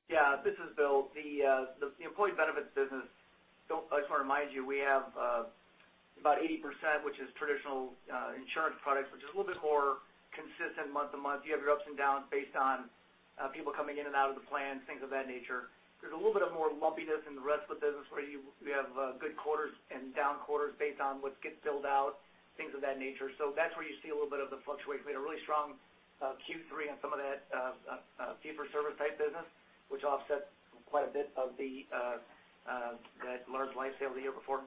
Yeah, this is Will Ziebell. The employee benefits business, I just wanna remind you, we have about 80%, which is traditional insurance products, which is a little bit more consistent month to month. You have your ups and downs based on people coming in and out of the plan, things of that nature. There's a little bit of more lumpiness in the rest of the business where you have good quarters and down quarters based on what gets billed out, things of that nature. That's where you see a little bit of the fluctuation. We had a really strong Q3 in some of that fee for service type business, which offsets quite a bit of the large life sale the year before.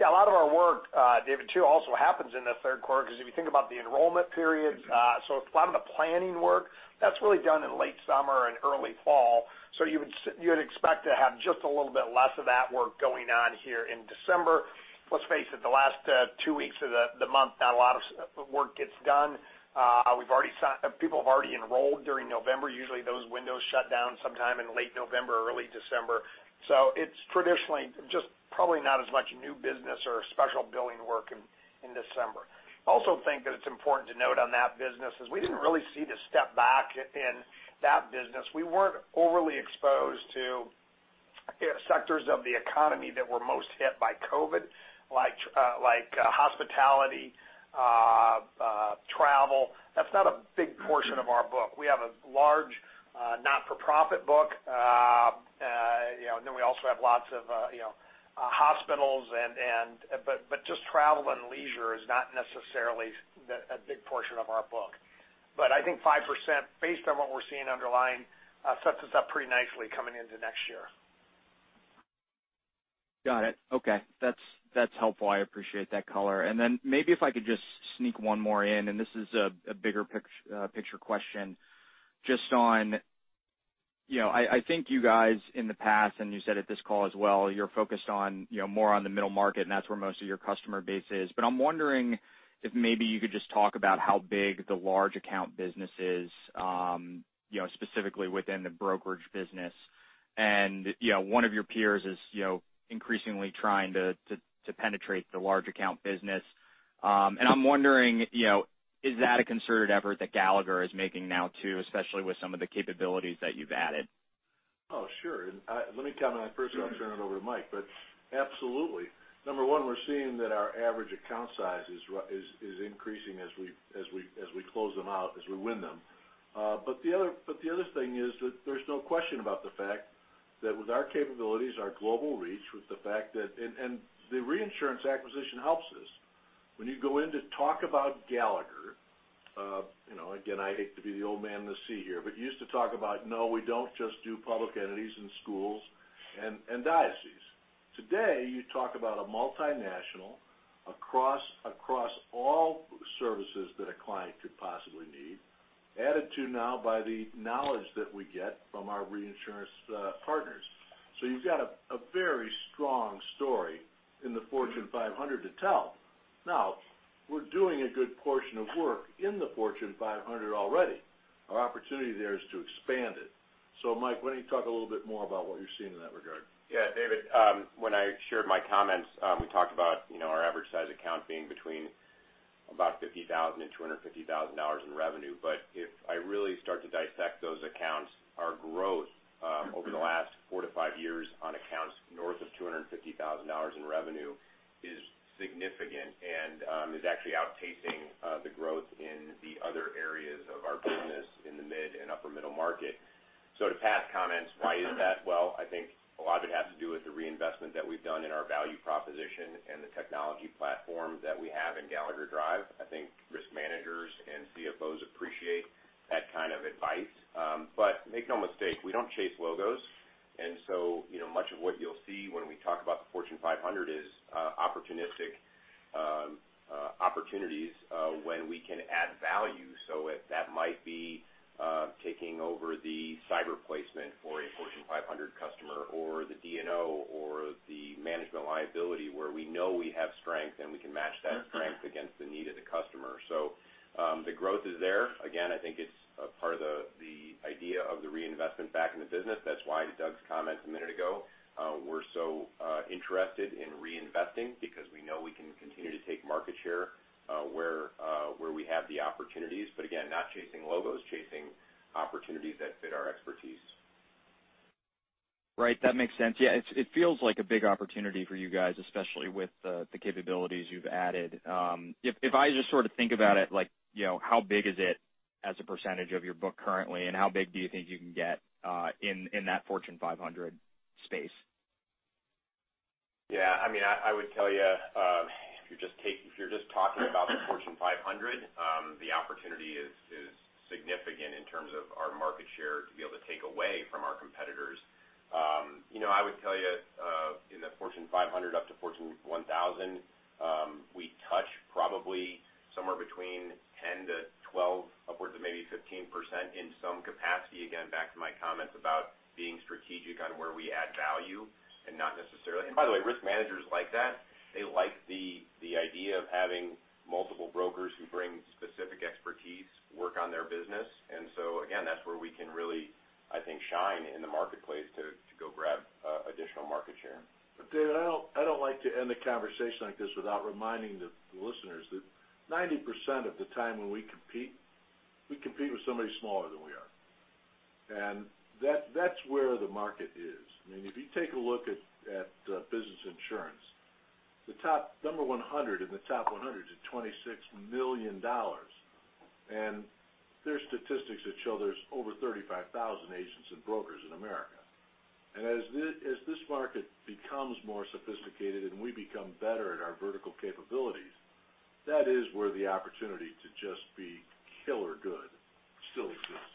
Yeah, a lot of our work, David, too, also happens in the Q3, 'cause if you think about the enrollment period, so a lot of the planning work, that's really done in late summer and early fall. You would expect to have just a little bit less of that work going on here in December. Let's face it, the last two weeks of the month, not a lot of work gets done. People have already enrolled during November. Usually, those windows shut down sometime in late November, early December. It's traditionally just probably not as much new business or special billing work in December. Also, I think that it's important to note on that business, we didn't really see the step back in that business. We weren't overly exposed to sectors of the economy that were most hit by COVID, like hospitality, travel. That's not a big portion of our book. We have a large not-for-profit book. You know, and then we also have lots of hospitals. Just travel and leisure is not necessarily a big portion of our book. I think 5%, based on what we're seeing underlying, sets us up pretty nicely coming into next year. Got it. Okay. That's helpful. I appreciate that color. Then maybe if I could just sneak one more in, and this is a bigger picture question. Just on, you know, I think you guys in the past, and you said at this call as well, you're focused on, you know, more on the middle market, and that's where most of your customer base is. But I'm wondering if maybe you could just talk about how big the large account business is, you know, specifically within the brokerage business. You know, one of your peers is, you know, increasingly trying to penetrate the large account business. I'm wondering, you know, is that a concerted effort that Gallagher is making now too, especially with some of the capabilities that you've added? Oh, sure. Let me comment first, then I'll turn it over to Mike. Absolutely. Number one, we're seeing that our average account size is increasing as we close them out, as we win them. But the other thing is that there's no question about the fact that with our capabilities, our global reach, with the fact that the reinsurance acquisition helps us. When you go in to talk about Gallagher, you know, again, I hate to be the old man in the sea here, but you used to talk about, "No, we don't just do public entities and schools and dioceses." Today, you talk about a multinational across all services that a client could possibly need, added to now by the knowledge that we get from our reinsurance partners. You've got a very strong story in the Fortune 500 to tell. Now, we're doing a good portion of work in the Fortune 500 already. Our opportunity there is to expand it. Mike, why don't you talk a little bit more about what you're seeing in that regard? Yeah, David, when I shared my comments, we talked about, you know, our average size account being between about $50,000 and $250,000 in revenue. If I really start to dissect those accounts, our growth over the last four to five years on accounts north of $250,000 in revenue is significant and is actually outpacing the growth in the other areas of our business in the mid and upper middle market. To Pat's comments, why is that? Well, I think a lot of it has to do with the reinvestment that we've done in our value proposition and the technology platform that we have in Gallagher Drive. I think risk managers and CFOs appreciate that kind of advice. Make no mistake, we don't chase logos, and so, you know, much of what you'll see when we talk about the Fortune 500 is opportunistic opportunities when we can add value. That might be taking over the cyber placement for a Fortune 500 customer or the D&O or the management liability where we know our strength, and we can match that strength against the need of the customer. The growth is there. Again, I think it's a part of the idea of the reinvestment back in the business. That's why to Doug's comment a minute ago, we're so interested in reinvesting because we know we can continue to take market share where we have the opportunities. Again, not chasing logos, chasing opportunities that fit our expertise. Right, that makes sense. Yeah, it feels like a big opportunity for you guys, especially with the capabilities you've added. If I just sort of think about it, like, you know, how big is it as a percentage of your book currently, and how big do you think you can get in that Fortune 500 space? Yeah, I mean, I would tell you, if you're just talking about the Fortune 500, the opportunity is significant in terms of our market share to be able to take away from our competitors. You know, I would tell you, in the Fortune 500 up to Fortune 1,000, we touch probably somewhere between 10-12, upwards of maybe 15% in some capacity. Again, back to my comments about being strategic on where we add value and not necessarily. By the way, risk managers like that. They like the idea of having multiple brokers who bring specific expertise work on their business. So again, that's where we can really, I think, shine in the marketplace to go grab additional market share. David, I don't like to end the conversation like this without reminding the listeners that 90% of the time when we compete, we compete with somebody smaller than we are. That's where the market is. I mean, if you take a look at Business Insurance, the top 100 in the top 100 is at $26 million. There's statistics that show there's over 35,000 agents and brokers in America. As this market becomes more sophisticated and we become better at our vertical capabilities, that is where the opportunity to just be killer good still exists.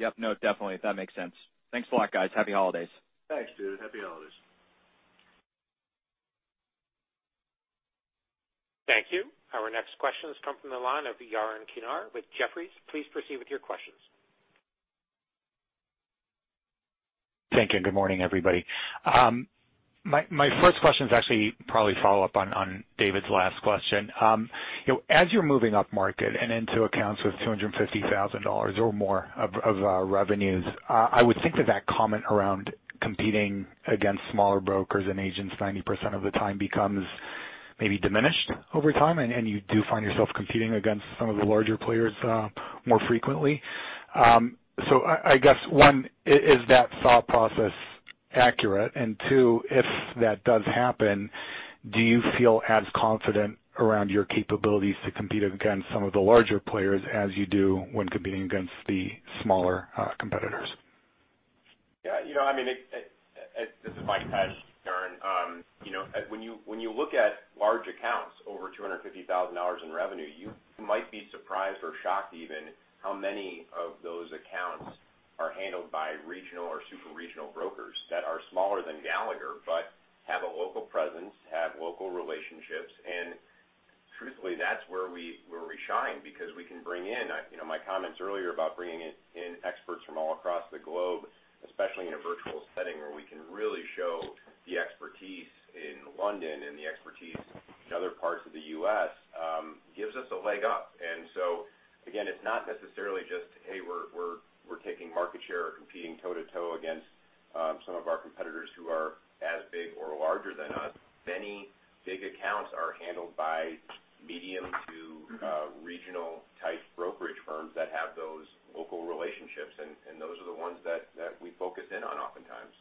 Yep, no, definitely. That makes sense. Thanks a lot, guys. Happy holidays. Thanks, David. Happy holidays. Thank you. Our next question has come from the line of Yaron Kinar with Jefferies. Please proceed with your questions. Thank you, and good morning, everybody. My first question is actually probably follow up on David's last question. You know, as you're moving up market and into accounts with $250,000 or more of revenues, I would think that that comment around competing against smaller brokers and agents 90% of the time becomes maybe diminished over time, and you do find yourself competing against some of the larger players more frequently. I guess, one, is that thought process accurate? And two, if that does happen, do you feel as confident around your capabilities to compete against some of the larger players as you do when competing against the smaller competitors? Yeah, you know, I mean, this is Mike Pesch, Yaron. You know, when you look at large accounts over $250,000 in revenue, you might be surprised or shocked even how many of those accounts are handled by regional or super regional brokers that are smaller than Gallagher, but have a local presence, have local relationships, and truthfully, that's where we shine because we can bring in. You know, my comments earlier about bringing in experts from all across the globe, especially in a virtual setting where we can really show the expertise in London and the expertise in other parts of the US, gives us a leg up. Again, it's not necessarily just, hey, we're taking market share or competing toe-to-toe against some of our competitors who are as big or larger than us. Many big accounts are handled by medium to regional type brokerage firms that have those local relationships, and those are the ones that we focus in on oftentimes.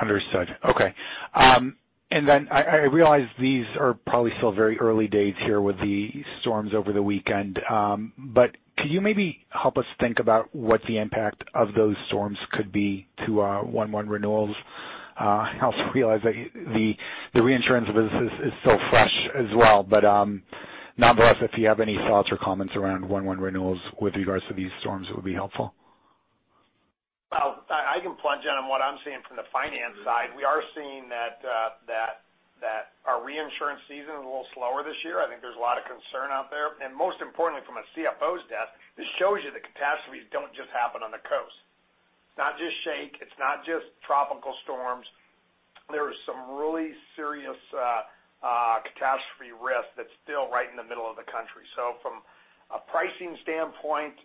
Understood. Okay. I realize these are probably still very early days here with the storms over the weekend, but can you maybe help us think about what the impact of those storms could be to our renewals? I also realize that the reinsurance business is still fresh as well. Nonetheless, if you have any thoughts or comments around our renewals with regards to these storms, it would be helpful. Well, I can jump in on what I'm seeing from the finance side. We are seeing that our reinsurance season is a little slower this year. I think there's a lot of concern out there. Most importantly, from a CFO's desk, this shows you the catastrophes don't just happen on the coast. It's not just quake, it's not just tropical storms. There is some really serious catastrophe risk that's still right in the middle of the country. From a pricing standpoint,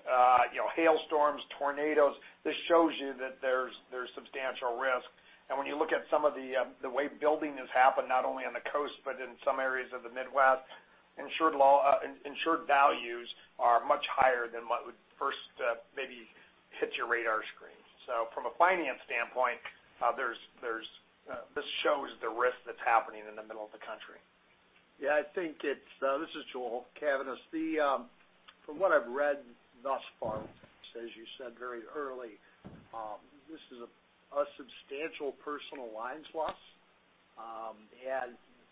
you know, hailstorms, tornadoes, this shows you that there's substantial risk. When you look at some of the way building has happened not only on the coast, but in some areas of the Midwest, insured loss, uninsured values are much higher than what would first, maybe hit your radar screen. From a finance standpoint, this shows the risk that's happening in the middle of the country. Yeah, I think it's this is Joel Cavaness. From what I've read thus far, as you said, very early, this is a substantial personal lines loss.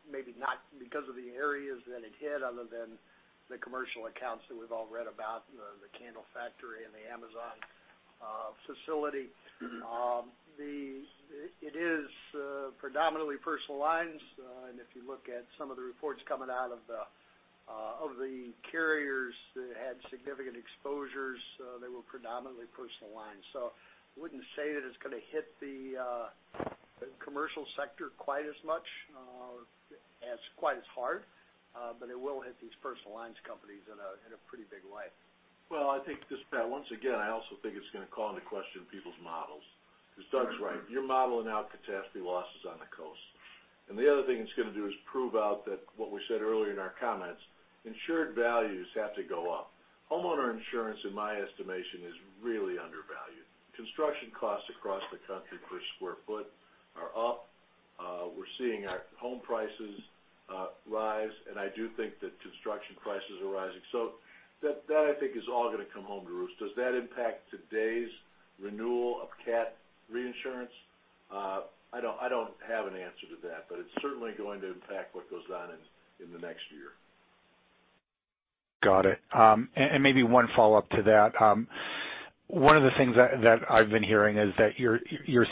Maybe not because of the areas that it hit other than the commercial accounts that we've all read about, the Candle factory and the Amazon facility. It is predominantly personal lines. If you look at some of the reports coming out of the Of the carriers that had significant exposures, they were predominantly personal lines. I wouldn't say that it's gonna hit the commercial sector quite as much as quite as hard, but it will hit these personal lines companies in a pretty big way. Well, I think this, Pat, once again, I also think it's gonna call into question people's models 'cause Doug's right. You're modeling out catastrophe losses on the coast. The other thing it's gonna do is prove out that what we said earlier in our comments, insured values have to go up. Homeowner insurance, in my estimation, is really undervalued. Construction costs across the country per square foot are up. We're seeing our home prices rise, and I do think that construction prices are rising. That I think is all gonna come home to roost. Does that impact today's renewal of cat reinsurance? I don't have an answer to that, but it's certainly going to impact what goes on in the next year. Got it. Maybe one follow-up to that. One of the things that I've been hearing is that you're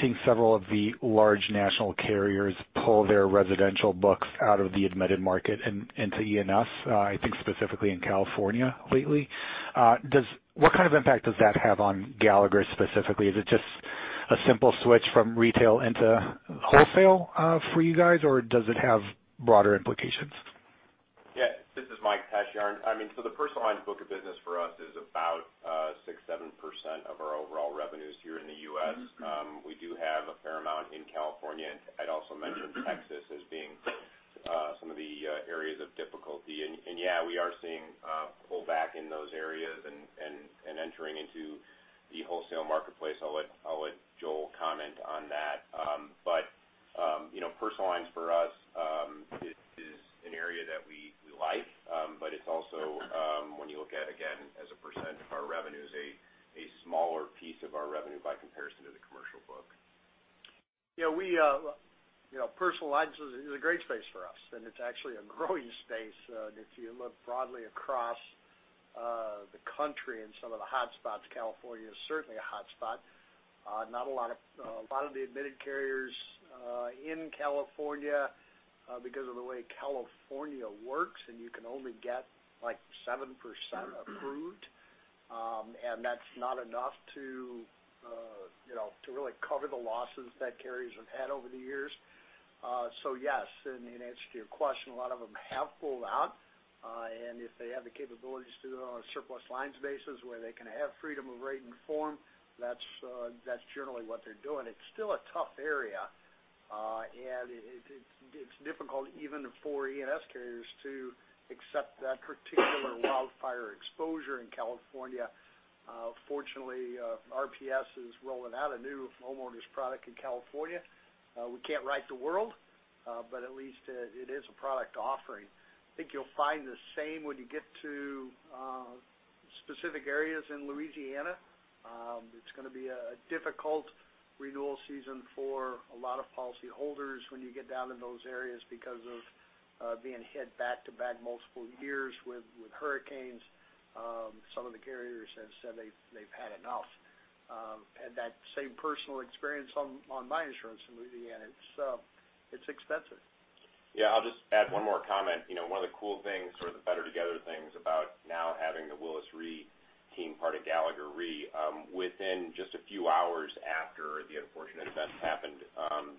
seeing several of the large national carriers pull their residential books out of the admitted market and into E&S, I think specifically in California lately. What kind of impact does that have on Gallagher specifically? Is it just a simple switch from retail into wholesale, for you guys, or does it have broader implications? Yeah, this is Mike Pesch. I mean, so the personal lines book of business for us is about 6-7% of our overall revenues here in the US. We do have a fair amount in California, and I'd also mention Texas as being some of the areas of difficulty. Yeah, we are seeing a pullback in those areas and entering into the wholesale marketplace. I'll let Joel comment on that. You know, personal lines for us is an area that we like, but it's also when you look at again as a percent of our revenues a smaller piece of our revenue by comparison to the commercial book. Yeah, we, you know, personal lines is a great space for us, and it's actually a growing space. If you look broadly across the country and some of the hotspots, California is certainly a hotspot. A lot of the admitted carriers in California, because of the way California works, and you can only get like 7% approved, and that's not enough to, you know, to really cover the losses that carriers have had over the years. Yes, in answer to your question, a lot of them have pulled out. If they have the capabilities to do it on a surplus lines basis where they can have freedom of rate and form, that's generally what they're doing. It's still a tough area, and it's difficult even for E&S carriers to accept that particular wildfire exposure in California. Fortunately, RPS is rolling out a new homeowners product in California. We can't right the world, but at least it is a product offering. I think you'll find the same when you get to specific areas in Louisiana. It's gonna be a difficult renewal season for a lot of policyholders when you get down in those areas because of being hit back to back multiple years with hurricanes. Some of the carriers have said they've had enough. I had that same personal experience on my insurance in Louisiana. It's expensive. Yeah. I'll just add one more comment. You know, one of the cool things or the better together things about now having the Willis Re team, part of Gallagher Re, within just a few hours after the unfortunate events happened,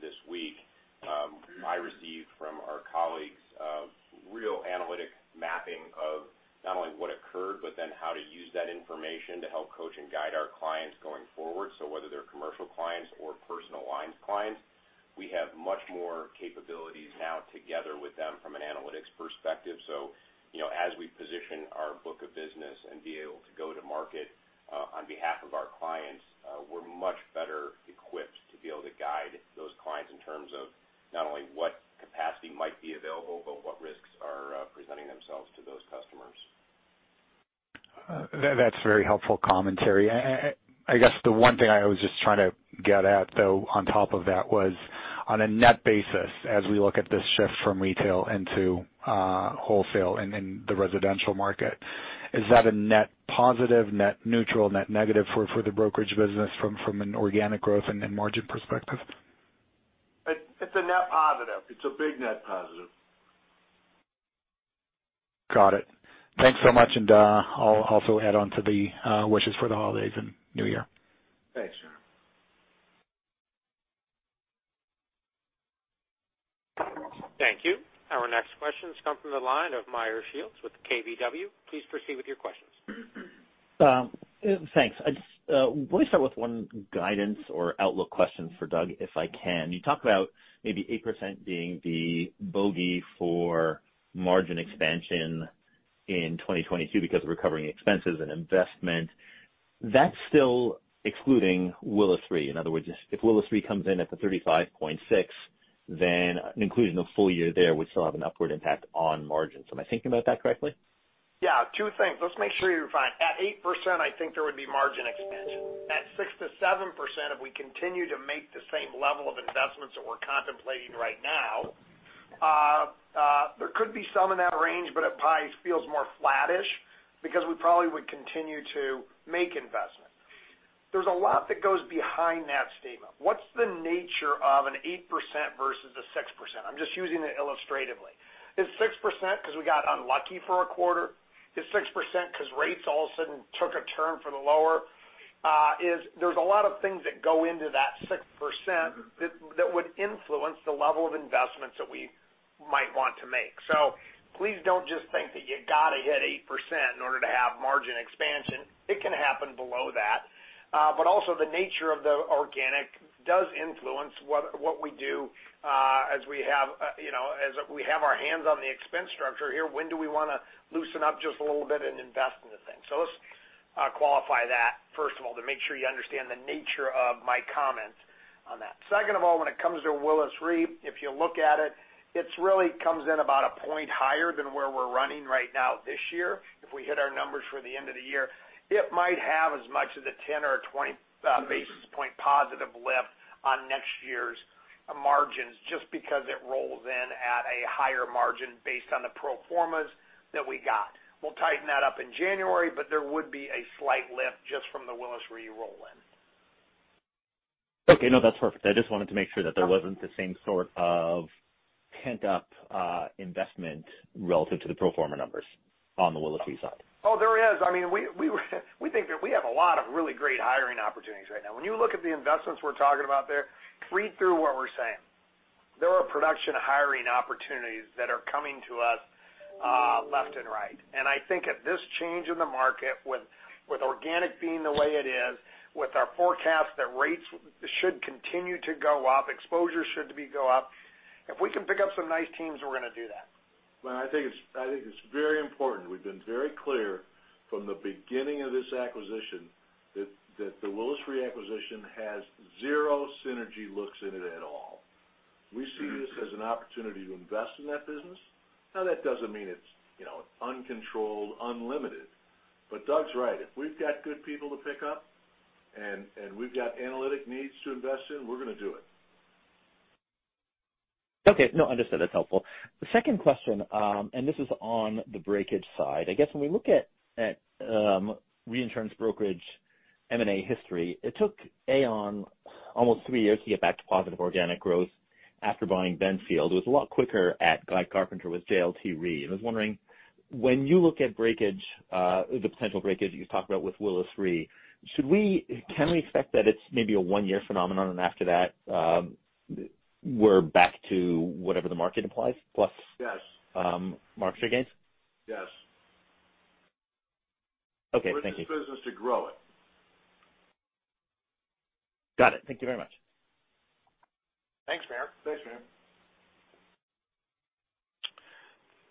this week, I received from our colleagues a real analytic mapping of not only what occurred, but then how to use that information to help coach and guide our clients going forward. Whether they're commercial clients or personal lines clients, we have much more capabilities now together with them from an analytics perspective. You know, as we position our book of business and be able to go to market, on behalf of our clients, we're much better equipped to be able to guide those clients in terms of not only what capacity might be available, but what risks are presenting themselves to those customers. That's very helpful commentary. I guess the one thing I was just trying to get at though, on top of that was on a net basis, as we look at this shift from retail into wholesale in the residential market, is that a net positive, net neutral, net negative for the brokerage business from an organic growth and margin perspective? It's a net positive. It's a big net positive. Got it. Thanks so much, and I'll also add on to the wishes for the holidays and New Year. Thanks. Thank you. Our next questions come from the line of Meyer Shields with KBW. Please proceed with your questions. Thanks. I just want to start with one guidance or outlook question for Doug, if I can. You talked about maybe 8% being the bogey for margin expansion in 2022 because of recovering expenses and investment. That's still excluding Willis Re. In other words, if Willis Re comes in at the 35.6, then including the full year there, we still have an upward impact on margins. Am I thinking about that correctly? Yeah, two things. Let's make sure you're fine. At 8%, I think there would be margin expansion. At 6%-7%, if we continue to make the same level of investments that we're contemplating right now, there could be some in that range, but it probably feels more flattish because we probably would continue to make investments. There's a lot that goes behind that statement. What's the nature of an 8% versus a 6%? I'm just using it illustratively. Is 6% because we got unlucky for a quarter? Is 6% because rates all of a sudden took a turn for the lower? There's a lot of things that go into that 6% that would influence the level of investments that we might want to make. Please don't just think that you gotta hit 8% in order to have margin expansion. It can happen below that. But also the nature of the organic does influence what we do as we have, you know, our hands on the expense structure here. When do we wanna loosen up just a little bit and invest in the thing? Let's qualify that, first of all, to make sure you understand the nature of my comments on that. Second of all, when it comes to Willis Re, if you look at it's really comes in about a point higher than where we're running right now this year. If we hit our numbers for the end of the year, it might have as much as a 10 or a 20 basis point positive lift on next year's margins just because it rolls in at a higher margin based on the pro formas that we got. We'll tighten that up in January, but there would be a slight lift just from the Willis Re roll-in. Okay. No, that's perfect. I just wanted to make sure that there wasn't the same sort of pent-up investment relative to the pro forma numbers on the Willis Re side. Oh, there is. I mean, we think that we have a lot of really great hiring opportunities right now. When you look at the investments we're talking about there, read through what we're saying. There are production hiring opportunities that are coming to us left and right. I think at this change in the market, with organic being the way it is, with our forecast that rates should continue to go up, exposure should go up. If we can pick up some nice teams, we're gonna do that. Well, I think it's very important. We've been very clear from the beginning of this acquisition that the Willis Re acquisition has zero synergy looks in it at all. We see this as an opportunity to invest in that business. Now, that doesn't mean it's, you know, uncontrolled, unlimited. Doug's right. If we've got good people to pick up and we've got analytic needs to invest in, we're gonna do it. Okay. No, understood, that's helpful. The second question, this is on the breakage side. I guess when we look at reinsurance brokerage M&A history, it took Aon almost three years to get back to positive organic growth after buying Benfield. It was a lot quicker, like Guy Carpenter with JLT Re. I was wondering, when you look at breakage, the potential breakage that you talked about with Willis Re, can we expect that it's maybe a one-year phenomenon, and after that, we're back to whatever the market implies, plus. Yes. market share gains? Yes. Okay. Thank you. We're in this business to grow it. Got it. Thank you very much. Thanks, Meyer. Thanks, Meyer.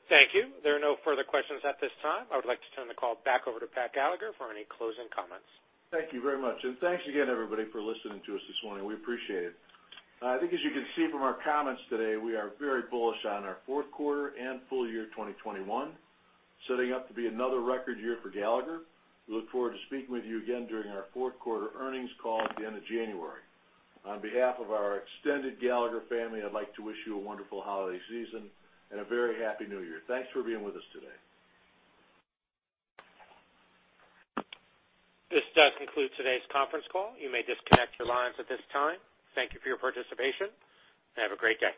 Thank you. There are no further questions at this time. I would like to turn the call back over to Pat Gallagher for any closing comments. Thank you very much. Thanks again, everybody, for listening to us this morning. We appreciate it. I think, as you can see from our comments today, we are very bullish on our Q4 and full year 2021, setting up to be another record year for Gallagher. We look forward to speaking with you again during our Q4 earnings call at the end of January. On behalf of our extended Gallagher family, I'd like to wish you a wonderful holiday season and a very happy new year. Thanks for being with us today. This does conclude today's conference call. You may disconnect your lines at this time. Thank you for your participation, and have a great day.